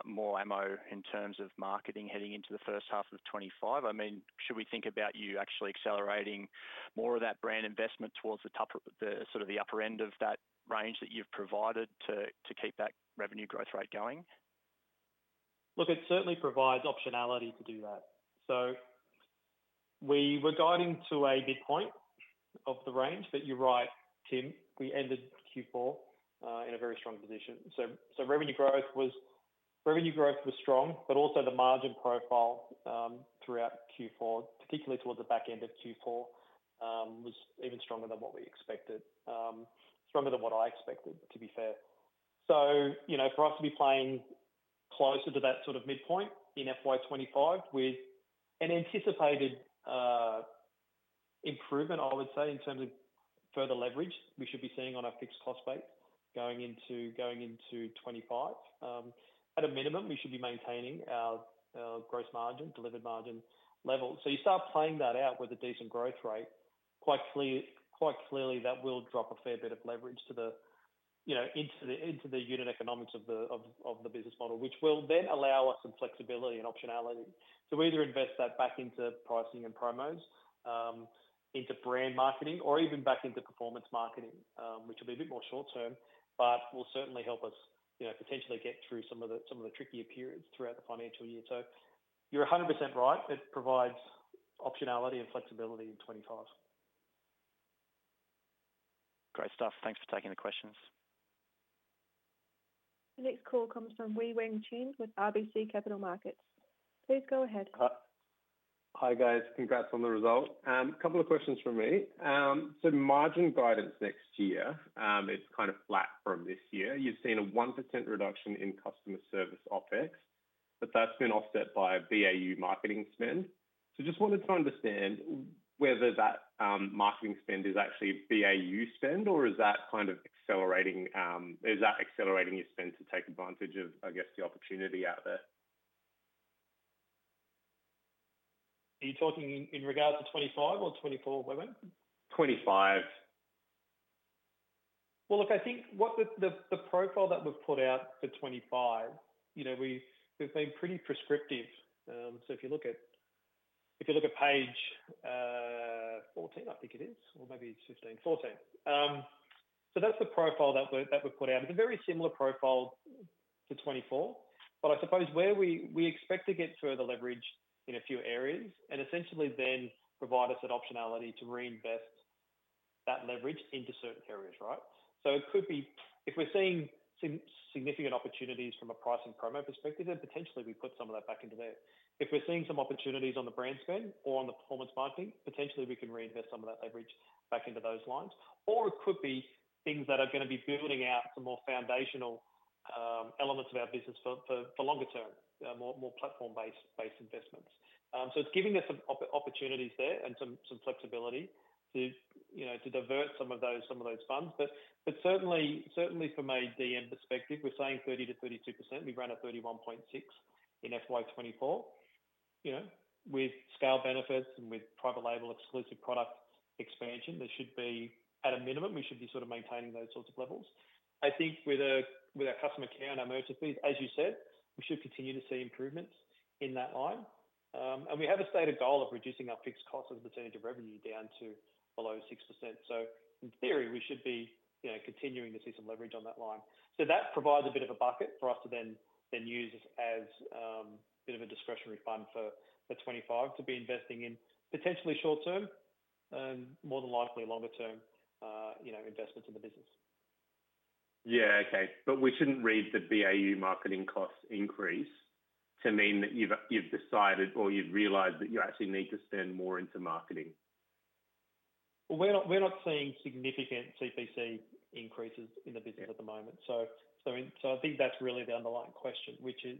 more ammo in terms of marketing heading into the first half of 2025. I mean, should we think about you actually accelerating more of that brand investment towards the top of the-- sort of the upper end of that range that you've provided to, to keep that revenue growth rate going? Look, it certainly provides optionality to do that. So we were guiding to a midpoint of the range. But you're right, Tim, we ended Q4 in a very strong position. So revenue growth was strong, but also the margin profile throughout Q4, particularly towards the back end of Q4, was even stronger than what we expected. Stronger than what I expected, to be fair. So, you know, for us to be playing closer to that sort of midpoint in FY 2025 with an anticipated improvement, I would say, in terms of further leverage, we should be seeing on our fixed cost base going into 25. At a minimum, we should be maintaining our gross margin, delivered margin levels. So you start playing that out with a decent growth rate, quite clear, quite clearly, that will drop a fair bit of leverage to the, you know, into the unit economics of the business model. Which will then allow us some flexibility and optionality to either invest that back into pricing and promos, into brand marketing, or even back into performance marketing, which will be a bit more short term, but will certainly help us, you know, potentially get through some of the trickier periods throughout the financial year. So you're 100% right, it provides optionality and flexibility in 2025. Great stuff. Thanks for taking the questions. The next call comes from Wei-Weng Chen with RBC Capital Markets. Please go ahead. Hi, guys. Congrats on the results. A couple of questions from me. So margin guidance next year, it's kind of flat from this year. You've seen a 1% reduction in customer service OpEx, but that's been offset by BAU marketing spend. So just wanted to understand whether that marketing spend is actually BAU spend, or is that kind of accelerating, is that accelerating your spend to take advantage of, I guess, the opportunity out there? Are you talking in regards to 2025 or 2024, Wei-Weng Chen? 2025. Well, look, I think what the profile that was put out for 2025, you know, we've been pretty prescriptive. So if you look at page 14, I think it is, or maybe it's 15. 14. So that's the profile that we put out. It's a very similar profile to 2024, but I suppose where we expect to get further leverage in a few areas and essentially then provide us that optionality to reinvest that leverage into certain areas, right? So it could be, if we're seeing significant opportunities from a price and promo perspective, then potentially we put some of that back into there. If we're seeing some opportunities on the brand spend or on the performance marketing, potentially we can reinvest some of that leverage back into those lines. Or it could be things that are going to be building out some more foundational elements of our business for longer term more platform-based investments. So it's giving us some opportunities there and some flexibility to, you know, to divert some of those funds. But certainly from a DM perspective, we're saying 30%-32%. We ran at 31.6% in FY 2024. You know, with scale benefits and with private label exclusive product expansion, there should be, at a minimum, we should be sort of maintaining those sorts of levels. I think with our customer care and our merchant fees, as you said, we should continue to see improvements in that line. And we have a stated goal of reducing our fixed cost as a percentage of revenue down to below 6%. So in theory, we should be, you know, continuing to see some leverage on that line. So that provides a bit of a bucket for us to then use as a bit of a discretionary fund for 2025 to be investing in potentially short term, more than likely longer term, you know, investments in the business. ... Yeah, okay. But we shouldn't read the BAU marketing cost increase to mean that you've, you've decided or you've realized that you actually need to spend more into marketing? Well, we're not, we're not seeing significant CPC increases in the business at the moment. So, so, so I think that's really the underlying question, which is: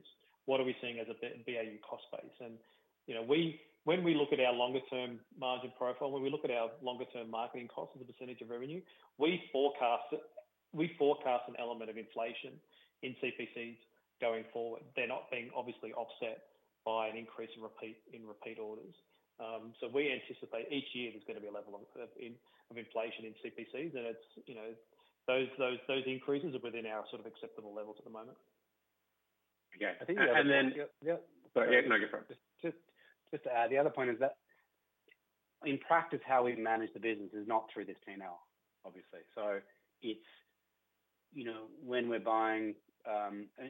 What are we seeing as a B- BAU cost base? And, you know, we-- when we look at our longer-term margin profile, when we look at our longer-term marketing costs as a percentage of revenue, we forecast, we forecast an element of inflation in CPCs going forward. They're not being obviously offset by an increase in repeat, in repeat orders. So we anticipate each year there's going to be a level of in, of inflation in CPCs, and it's, you know, those, those, those increases are within our sort of acceptable levels at the moment. Okay. I think- And then- Yep. Sorry. Yeah, no, go for it. Just, just to add, the other point is that in practice, how we manage the business is not through this P&L, obviously. So it's, you know, when we're buying.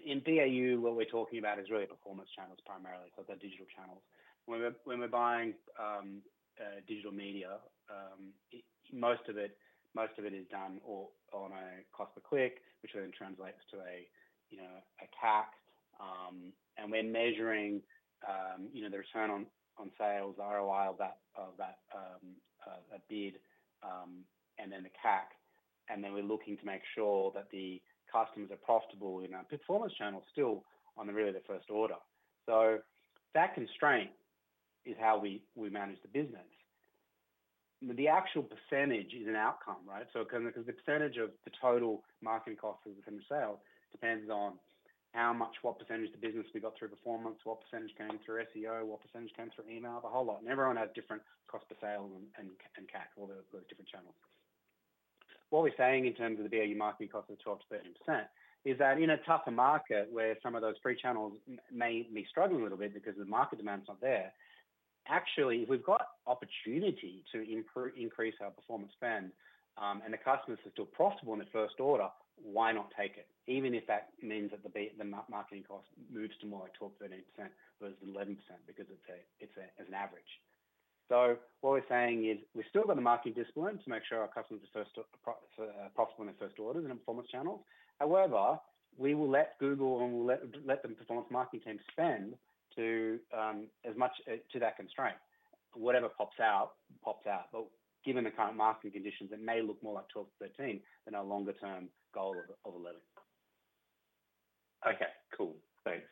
In BAU, what we're talking about is really performance channels, primarily, so the digital channels. When we're buying digital media, most of it is done on a cost per click, which then translates to a, you know, a CAC. And we're measuring, you know, the return on sales, ROI, of that, a bid, and then the CAC, and then we're looking to make sure that the customers are profitable in our performance channels still on really the first order. So that constraint is how we manage the business. The actual percentage is an outcome, right? So because the percentage of the total marketing cost in terms of sale depends on how much, what percentage of the business we got through performance, what percentage came through SEO, what percentage came through email, the whole lot. And everyone has different cost of sale and CAC, all those different channels. What we're saying in terms of the BAU marketing cost of 12%-13%, is that in a tougher market where some of those free channels may be struggling a little bit because the market demand is not there, actually, we've got opportunity to improve, increase our performance spend, and the customer is still profitable in the first order, why not take it? Even if that means that the marketing cost moves to more like 12%-13% versus 11%, because it's a, it's a, as an average. So what we're saying is, we've still got the marketing discipline to make sure our customers are first, profitable in their first orders in our performance channels. However, we will let Google and we'll let the performance marketing team spend to as much to that constraint. Whatever pops out, pops out. But given the current marketing conditions, it may look more like 12-13 than our longer-term goal of 11. Okay, cool. Thanks.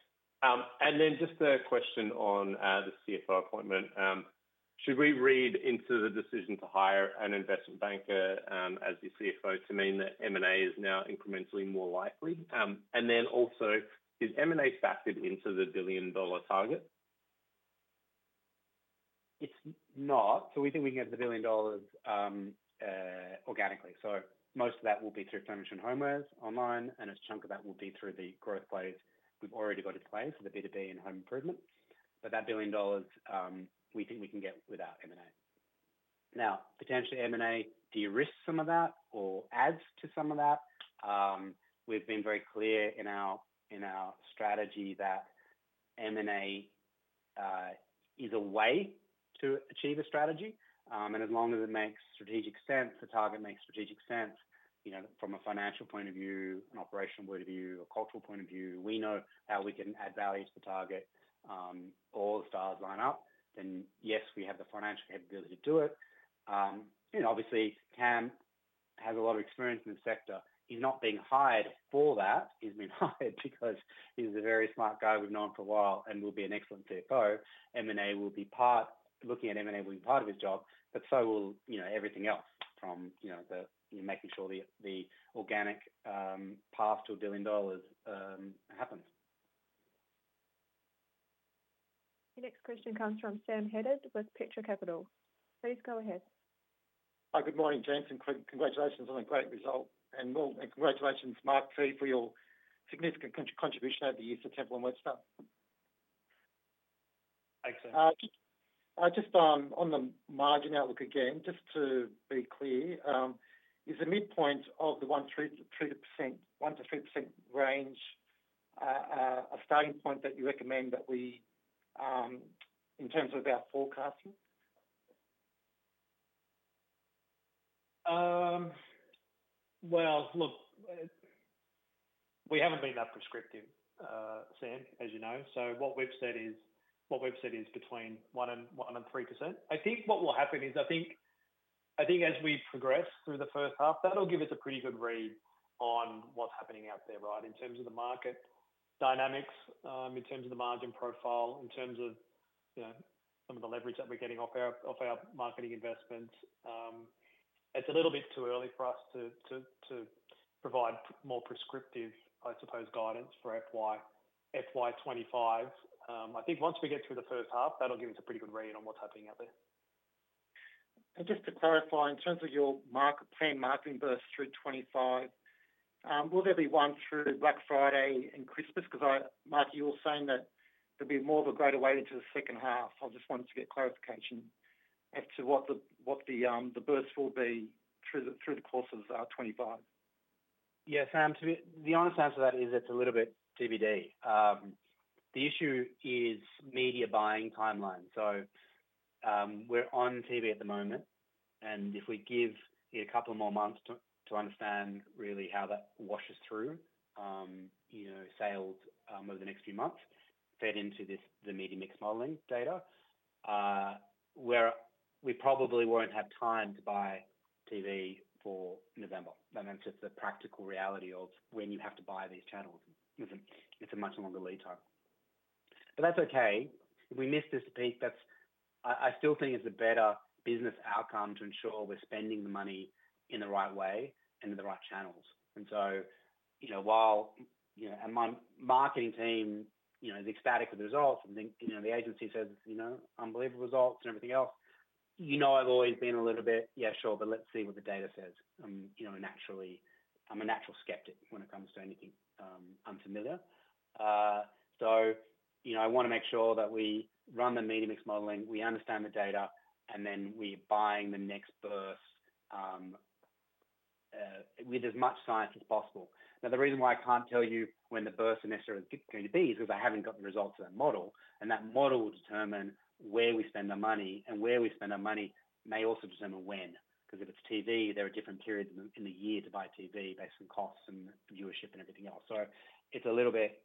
And then just a question on the CFO appointment. Should we read into the decision to hire an investment banker as the CFO, to mean that M&A is now incrementally more likely? And then also, is M&A factored into the billion-dollar target? It's not. So we think we can get to 1 billion dollars organically. So most of that will be through furniture and homewares online, and a chunk of that will be through the growth plays we've already got in place for the B2B and home improvement. But that 1 billion dollars, we think we can get without M&A. Now, potentially M&A de-risks some of that or adds to some of that. We've been very clear in our strategy that M&A is a way to achieve a strategy. And as long as it makes strategic sense, the target makes strategic sense, you know, from a financial point of view, an operational point of view, a cultural point of view, we know how we can add value to target, all the stars line up, then yes, we have the financial capability to do it. You know, obviously, Cam has a lot of experience in the sector. He's not being hired for that. He's been hired because he's a very smart guy we've known for a while, and will be an excellent CFO. Looking at M&A will be part of his job, but so will, you know, everything else from, you know, the organic path to 1 billion dollars happens. The next question comes from Sam Haddad with Petra Capital. Please go ahead. Hi, good morning, gents, and congratulations on a great result. Well, congratulations, Mark Taylor, for your significant contribution over the years to Temple & Webster. Thanks, Sam. Just, on the margin outlook again, just to be clear, is the midpoint of the 1.33%, 1%-3% range a starting point that you recommend that we in terms of our forecasting? Well, look, we haven't been that prescriptive, Sam, as you know. So what we've said is between 1% and 3%. I think what will happen is, I think as we progress through the first half, that'll give us a pretty good read on what's happening out there, right? In terms of the market dynamics, in terms of the margin profile, in terms of, you know, some of the leverage that we're getting off our marketing investment. It's a little bit too early for us to provide more prescriptive, I suppose, guidance for FY 2025. I think once we get through the first half, that'll give us a pretty good read on what's happening out there. And just to clarify, in terms of your planned marketing burst through 2025, will there be one through Black Friday and Christmas? Because Mark, you were saying that there'd be more of a greater weight into the second half. I just wanted to get clarification as to what the burst will be through the course of 2025. Yeah, Sam, to be the honest answer to that is it's a little bit TBD. The issue is media buying timeline. So, we're on TV at the moment, and if we give it a couple more months to understand really how that washes through, you know, sales, over the next few months, fed into this, the media mix modeling data, we probably won't have time to buy TV for November. And that's just the practical reality of when you have to buy these channels. It's a much longer lead time. But that's okay. If we miss this peak, that's I still think it's a better business outcome to ensure we're spending the money in the right way and in the right channels. So, you know, while, you know, and my marketing team, you know, is ecstatic with the results, and then, you know, the agency says, you know, unbelievable results and everything else. You know, I've always been a little bit: "Yeah, sure, but let's see what the data says." You know, naturally, I'm a natural skeptic when it comes to anything unfamiliar. So, you know, I wanna make sure that we run the Media Mix Modeling, we understand the data, and then we're buying the next burst with as much science as possible. Now, the reason why I can't tell you when the bursts are necessarily going to be is because I haven't got the results of that model, and that model will determine where we spend the money. Where we spend our money may also determine when, because if it's TV, there are different periods in the year to buy TV based on costs and viewership and everything else. So it's a little bit...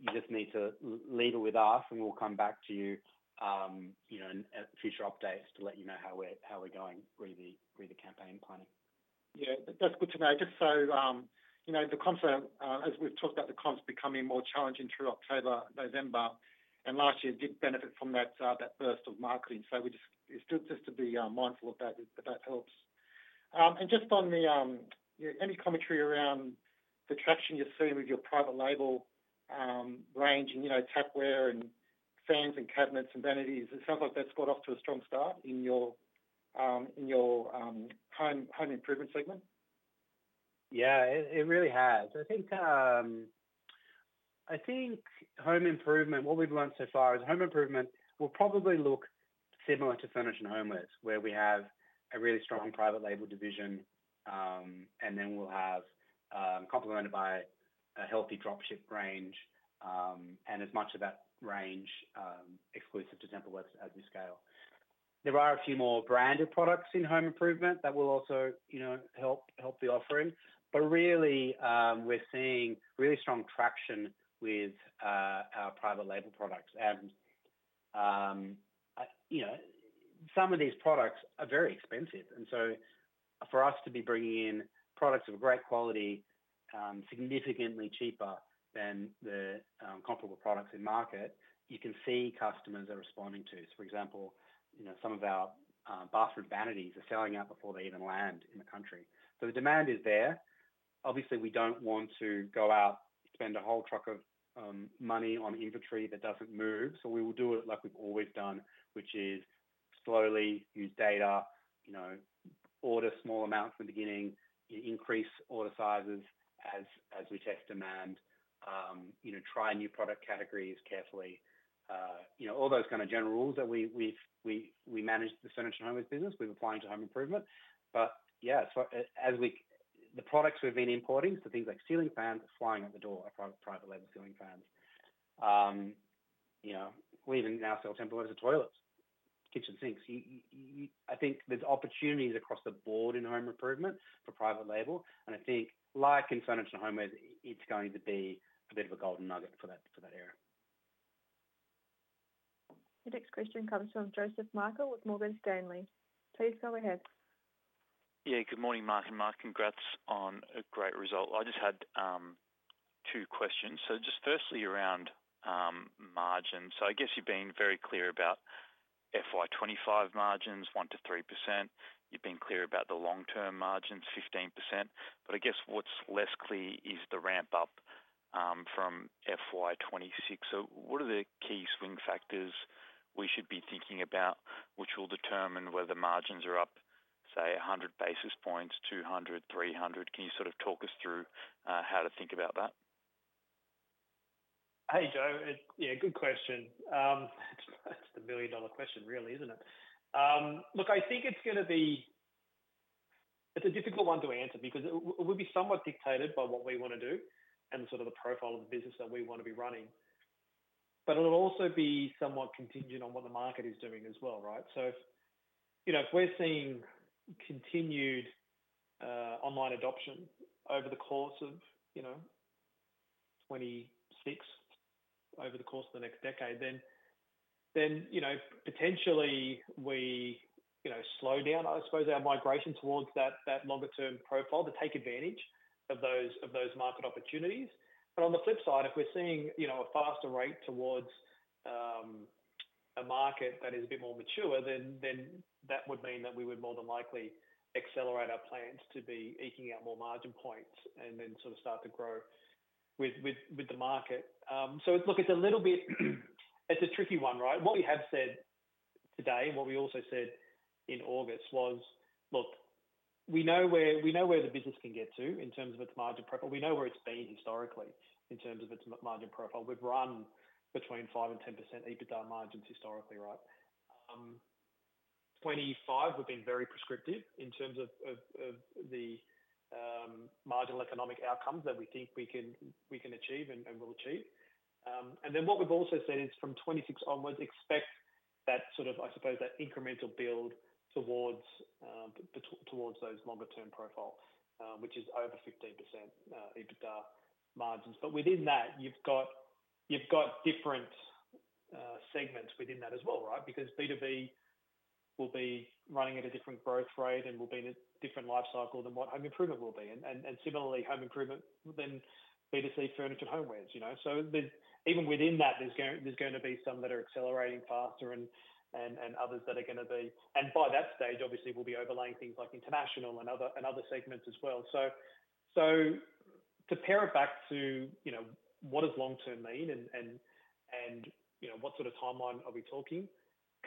You just need to leave it with us, and we'll come back to you, you know, in future updates to let you know how we're going with the campaign planning. Yeah, that's good to know. Just so, you know, the comp set, as we've talked about, the comp's becoming more challenging through October, November, and last year did benefit from that, that burst of marketing. So, it's good just to be mindful of that, but that helps. And just on the, yeah, any commentary around the traction you're seeing with your private label range and, you know, tapware and fans and cabinets and vanities. It sounds like that's got off to a strong start in your home improvement segment. Yeah, it, it really has. I think, I think home improvement, what we've learned so far is home improvement will probably look similar to Furniture & Homewares, where we have a really strong private label division, and then we'll have, complemented by a healthy drop ship range, and as much of that range, exclusive to Temple & Webster as we scale. There are a few more branded products in home improvement that will also, you know, help, help the offering. But really, we're seeing really strong traction with, our private label products. And, you know, some of these products are very expensive, and so for us to be bringing in products of a great quality, significantly cheaper than the, comparable products in market, you can see customers are responding to. For example, you know, some of our bathroom vanities are selling out before they even land in the country. So the demand is there. Obviously, we don't want to go out, spend a whole truck of money on inventory that doesn't move, so we will do it like we've always done, which is slowly use data, you know, order small amounts in the beginning, increase order sizes as we test demand, you know, try new product categories carefully. You know, all those kind of general rules that we've managed the Furniture & Homewares business, we're applying to home improvement. But yeah, so the products we've been importing, so things like ceiling fans are flying out the door, our private label ceiling fans. You know, we even now sell Temple & Webster toilets, kitchen sinks. I think there's opportunities across the board in home improvement for private label, and I think like in Furniture & Homewares, it's going to be a bit of a golden nugget for that, for that area. The next question comes from Joseph Michael with Morgan Stanley. Please go ahead. Yeah. Good morning, Mark. And, Mark, congrats on a great result. I just had two questions. So just firstly, around margins. So I guess you've been very clear about FY 2025 margins, 1%-3%. You've been clear about the long-term margins, 15%, but I guess what's less clear is the ramp up from FY 2026. So what are the key swing factors we should be thinking about, which will determine whether the margins are up, say, 100 basis points, 200, 300? Can you sort of talk us through how to think about that? Hey, Joe. Yeah, good question. That's the million-dollar question really, isn't it? Look, I think it's gonna be—it's a difficult one to answer because it would be somewhat dictated by what we want to do and sort of the profile of the business that we want to be running. But it'll also be somewhat contingent on what the market is doing as well, right? So, you know, if we're seeing continued online adoption over the course of, you know, 26, over the course of the next decade, then, you know, potentially we, you know, slow down, I suppose, our migration towards that longer-term profile to take advantage of those market opportunities. But on the flip side, if we're seeing, you know, a faster rate towards a market that is a bit more mature, then that would mean that we would more than likely accelerate our plans to be eking out more margin points and then sort of start to grow with the market. So look, it's a little bit, it's a tricky one, right? What we have said today, and what we also said in August was... Look, we know where the business can get to in terms of its margin profile. We know where it's been historically in terms of its margin profile. We've run between 5%-10% EBITDA margins historically, right? 25, we've been very prescriptive in terms of the marginal economic outcomes that we think we can achieve and will achieve. And then what we've also said is from 2026 onwards, expect that sort of, I suppose, that incremental build towards those longer-term profiles, which is over 15% EBITDA margins. But within that, you've got different segments within that as well, right? Because B2B will be running at a different growth rate and will be in a different life cycle than what home improvement will be. And similarly, home improvement, then B2C, furniture and homewares, you know. So even within that, there's going to be some that are accelerating faster and others that are gonna be... And by that stage, obviously, we'll be overlaying things like international and other segments as well. So to pare it back to, you know, what does long term mean and, you know, what sort of timeline are we talking?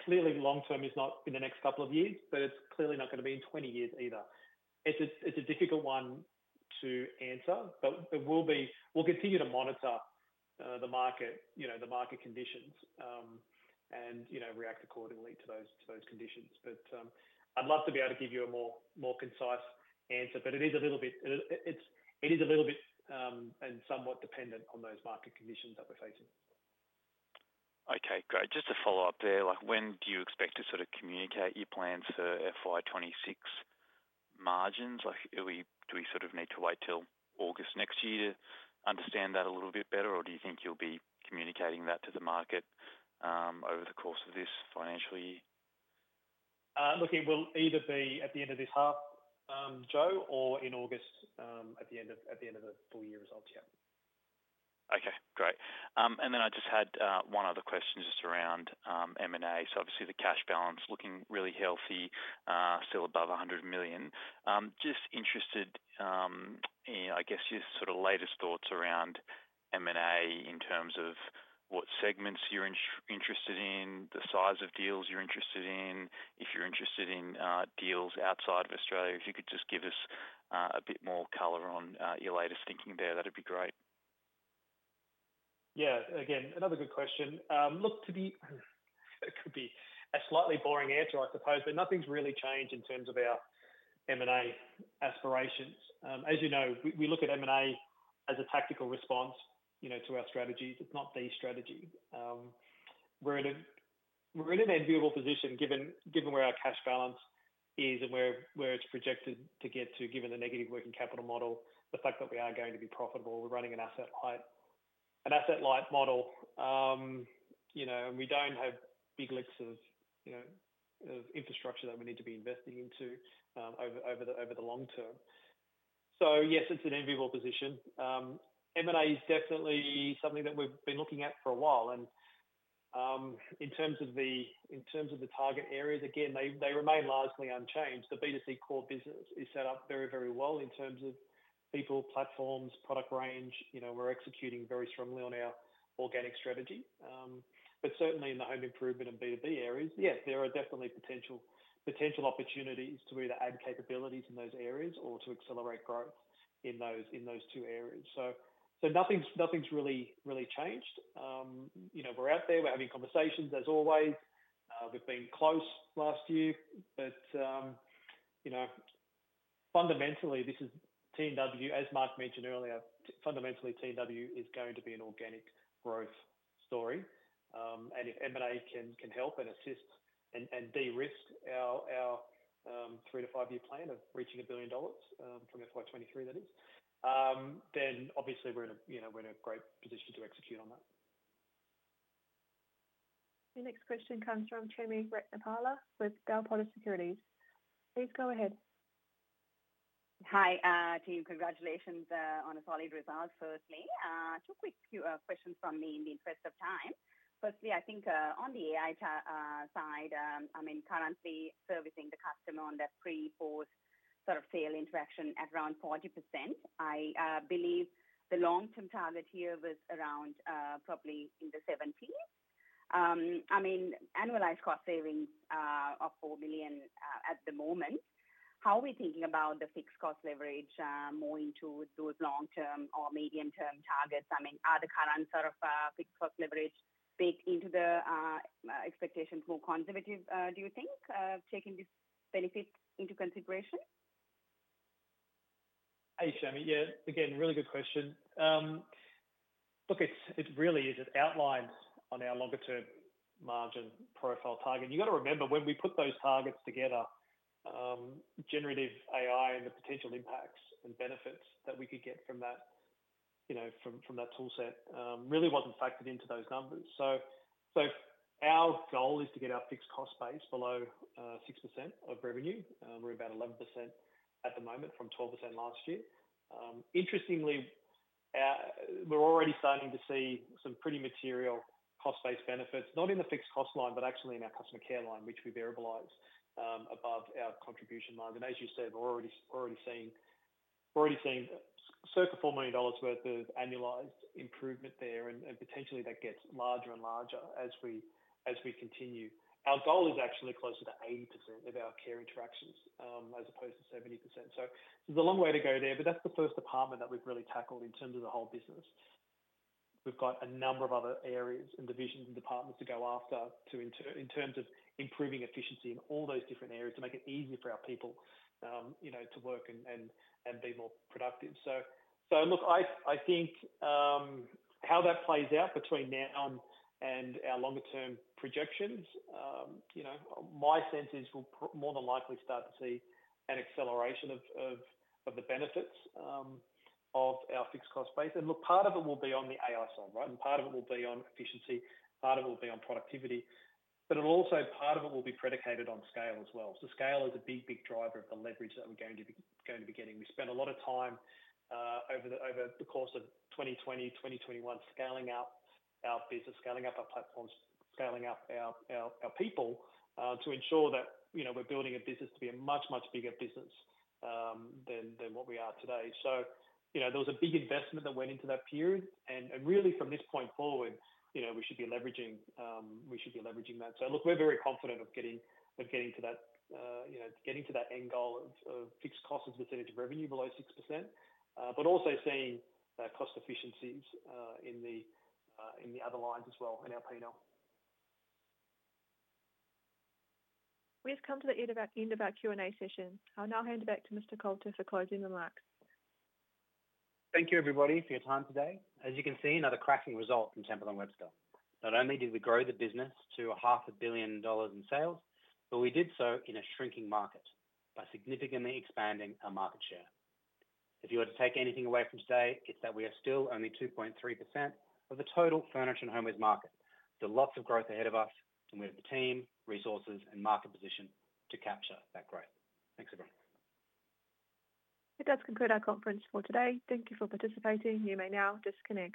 Clearly, long term is not in the next couple of years, but it's clearly not going to be in 20 years either. It's a difficult one to answer, but it will be. We'll continue to monitor the market, you know, the market conditions, and, you know, react accordingly to those conditions. But I'd love to be able to give you a more concise answer, but it is a little bit and somewhat dependent on those market conditions that we're facing. Okay, great. Just to follow up there, like, when do you expect to sort of communicate your plans for FY 2026 margins? Like, are we - do we sort of need to wait till August next year to understand that a little bit better? Or do you think you'll be communicating that to the market over the course of this financial year? Look, it will either be at the end of this half, Joe, or in August, at the end of the full year results, yeah. Okay, great. And then I just had one other question just around M&A. So obviously, the cash balance looking really healthy, still above 100 million. Just interested in, I guess, your sort of latest thoughts around M&A in terms of what segments you're interested in, the size of deals you're interested in, if you're interested in deals outside of Australia. If you could just give us a bit more color on your latest thinking there, that'd be great. Yeah. Again, another good question. Look, it could be a slightly boring answer, I suppose, but nothing's really changed in terms of our M&A aspirations. As you know, we look at M&A as a tactical response, you know, to our strategies. It's not the strategy. We're in an enviable position given where our cash balance is and where it's projected to get to, given the negative working capital model, the fact that we are going to be profitable. We're running an asset-light model. You know, and we don't have big lifts of infrastructure that we need to be investing into over the long term. So yes, it's an enviable position. M&A is definitely something that we've been looking at for a while, and in terms of the target areas, again, they remain largely unchanged. The B2C core business is set up very, very well in terms of people, platforms, product range. You know, we're executing very strongly on our organic strategy. But certainly in the home improvement and B2B areas, yes, there are definitely potential opportunities to either add capabilities in those areas or to accelerate growth in those two areas. Nothing's really changed. You know, we're out there. We're having conversations, as always. We've been close last year, but you know, fundamentally, this is TW. As Mark mentioned earlier, fundamentally, TW is going to be an organic growth story. If M&A can help and assist and de-risk our 3-5-year plan of reaching 1 billion dollars from FY 2023, then obviously, you know, we're in a great position to execute on that. The next question comes from Chami Ratnapala with Bell Potter Securities. Please go ahead. Hi, team. Congratulations on a solid result, firstly. Two quick questions from me in the interest of time. Firstly, I think on the AI side, I mean, currently servicing the customer on that pre-post sort of sale interaction at around 40%. I believe the long-term target here was around probably in the 70s. I mean, annualized cost savings of 4 million at the moment. How are we thinking about the fixed cost leverage more into those long-term or medium-term targets? I mean, are the current sort of fixed cost leverage baked into the expectations more conservative, do you think, taking this benefit into consideration? Hey, Chami. Yeah, again, really good question. Look, it really is, as outlined on our longer-term margin profile target. You've got to remember, when we put those targets together, generative AI and the potential impacts and benefits that we could get from that, you know, from that tool set, really wasn't factored into those numbers. So our goal is to get our fixed cost base below 6% of revenue. We're about 11% at the moment from 12% last year. Interestingly, we're already starting to see some pretty material cost base benefits, not in the fixed cost line, but actually in our customer care line, which we variableize above our contribution line. And as you said, we're already seeing circa 4 million dollars worth of annualized improvement there, and potentially that gets larger and larger as we continue. Our goal is actually closer to 80% of our care interactions, as opposed to 70%. So there's a long way to go there, but that's the first department that we've really tackled in terms of the whole business. We've got a number of other areas and divisions and departments to go after, in terms of improving efficiency in all those different areas, to make it easier for our people, you know, to work and be more productive. So, look, I think how that plays out between now and our longer-term projections, you know, my sense is we'll more than likely start to see an acceleration of the benefits of our fixed cost base. And look, part of it will be on the AI side, right? And part of it will be on efficiency, part of it will be on productivity, but it'll also, part of it will be predicated on scale as well. So scale is a big, big driver of the leverage that we're going to be getting. We spent a lot of time over the course of 2020, 2021, scaling up our business, scaling up our platforms, scaling up our people to ensure that, you know, we're building a business to be a much, much bigger business than what we are today. So, you know, there was a big investment that went into that period, and really from this point forward, you know, we should be leveraging that. So look, we're very confident of getting to that end goal of fixed cost as a percentage of revenue below 6%, but also seeing cost efficiencies in the other lines as well, in our P&L. We have come to the end of our Q&A session. I'll now hand it back to Mr. Coulter for closing remarks. Thank you, everybody, for your time today. As you can see, another cracking result from Temple & Webster. Not only did we grow the business to 500 million dollars in sales, but we did so in a shrinking market by significantly expanding our market share. If you were to take anything away from today, it's that we are still only 2.3% of the total furniture and homewares market. There's lots of growth ahead of us, and we have the team, resources, and market position to capture that growth. Thanks, everyone. That does conclude our conference for today. Thank you for participating. You may now disconnect.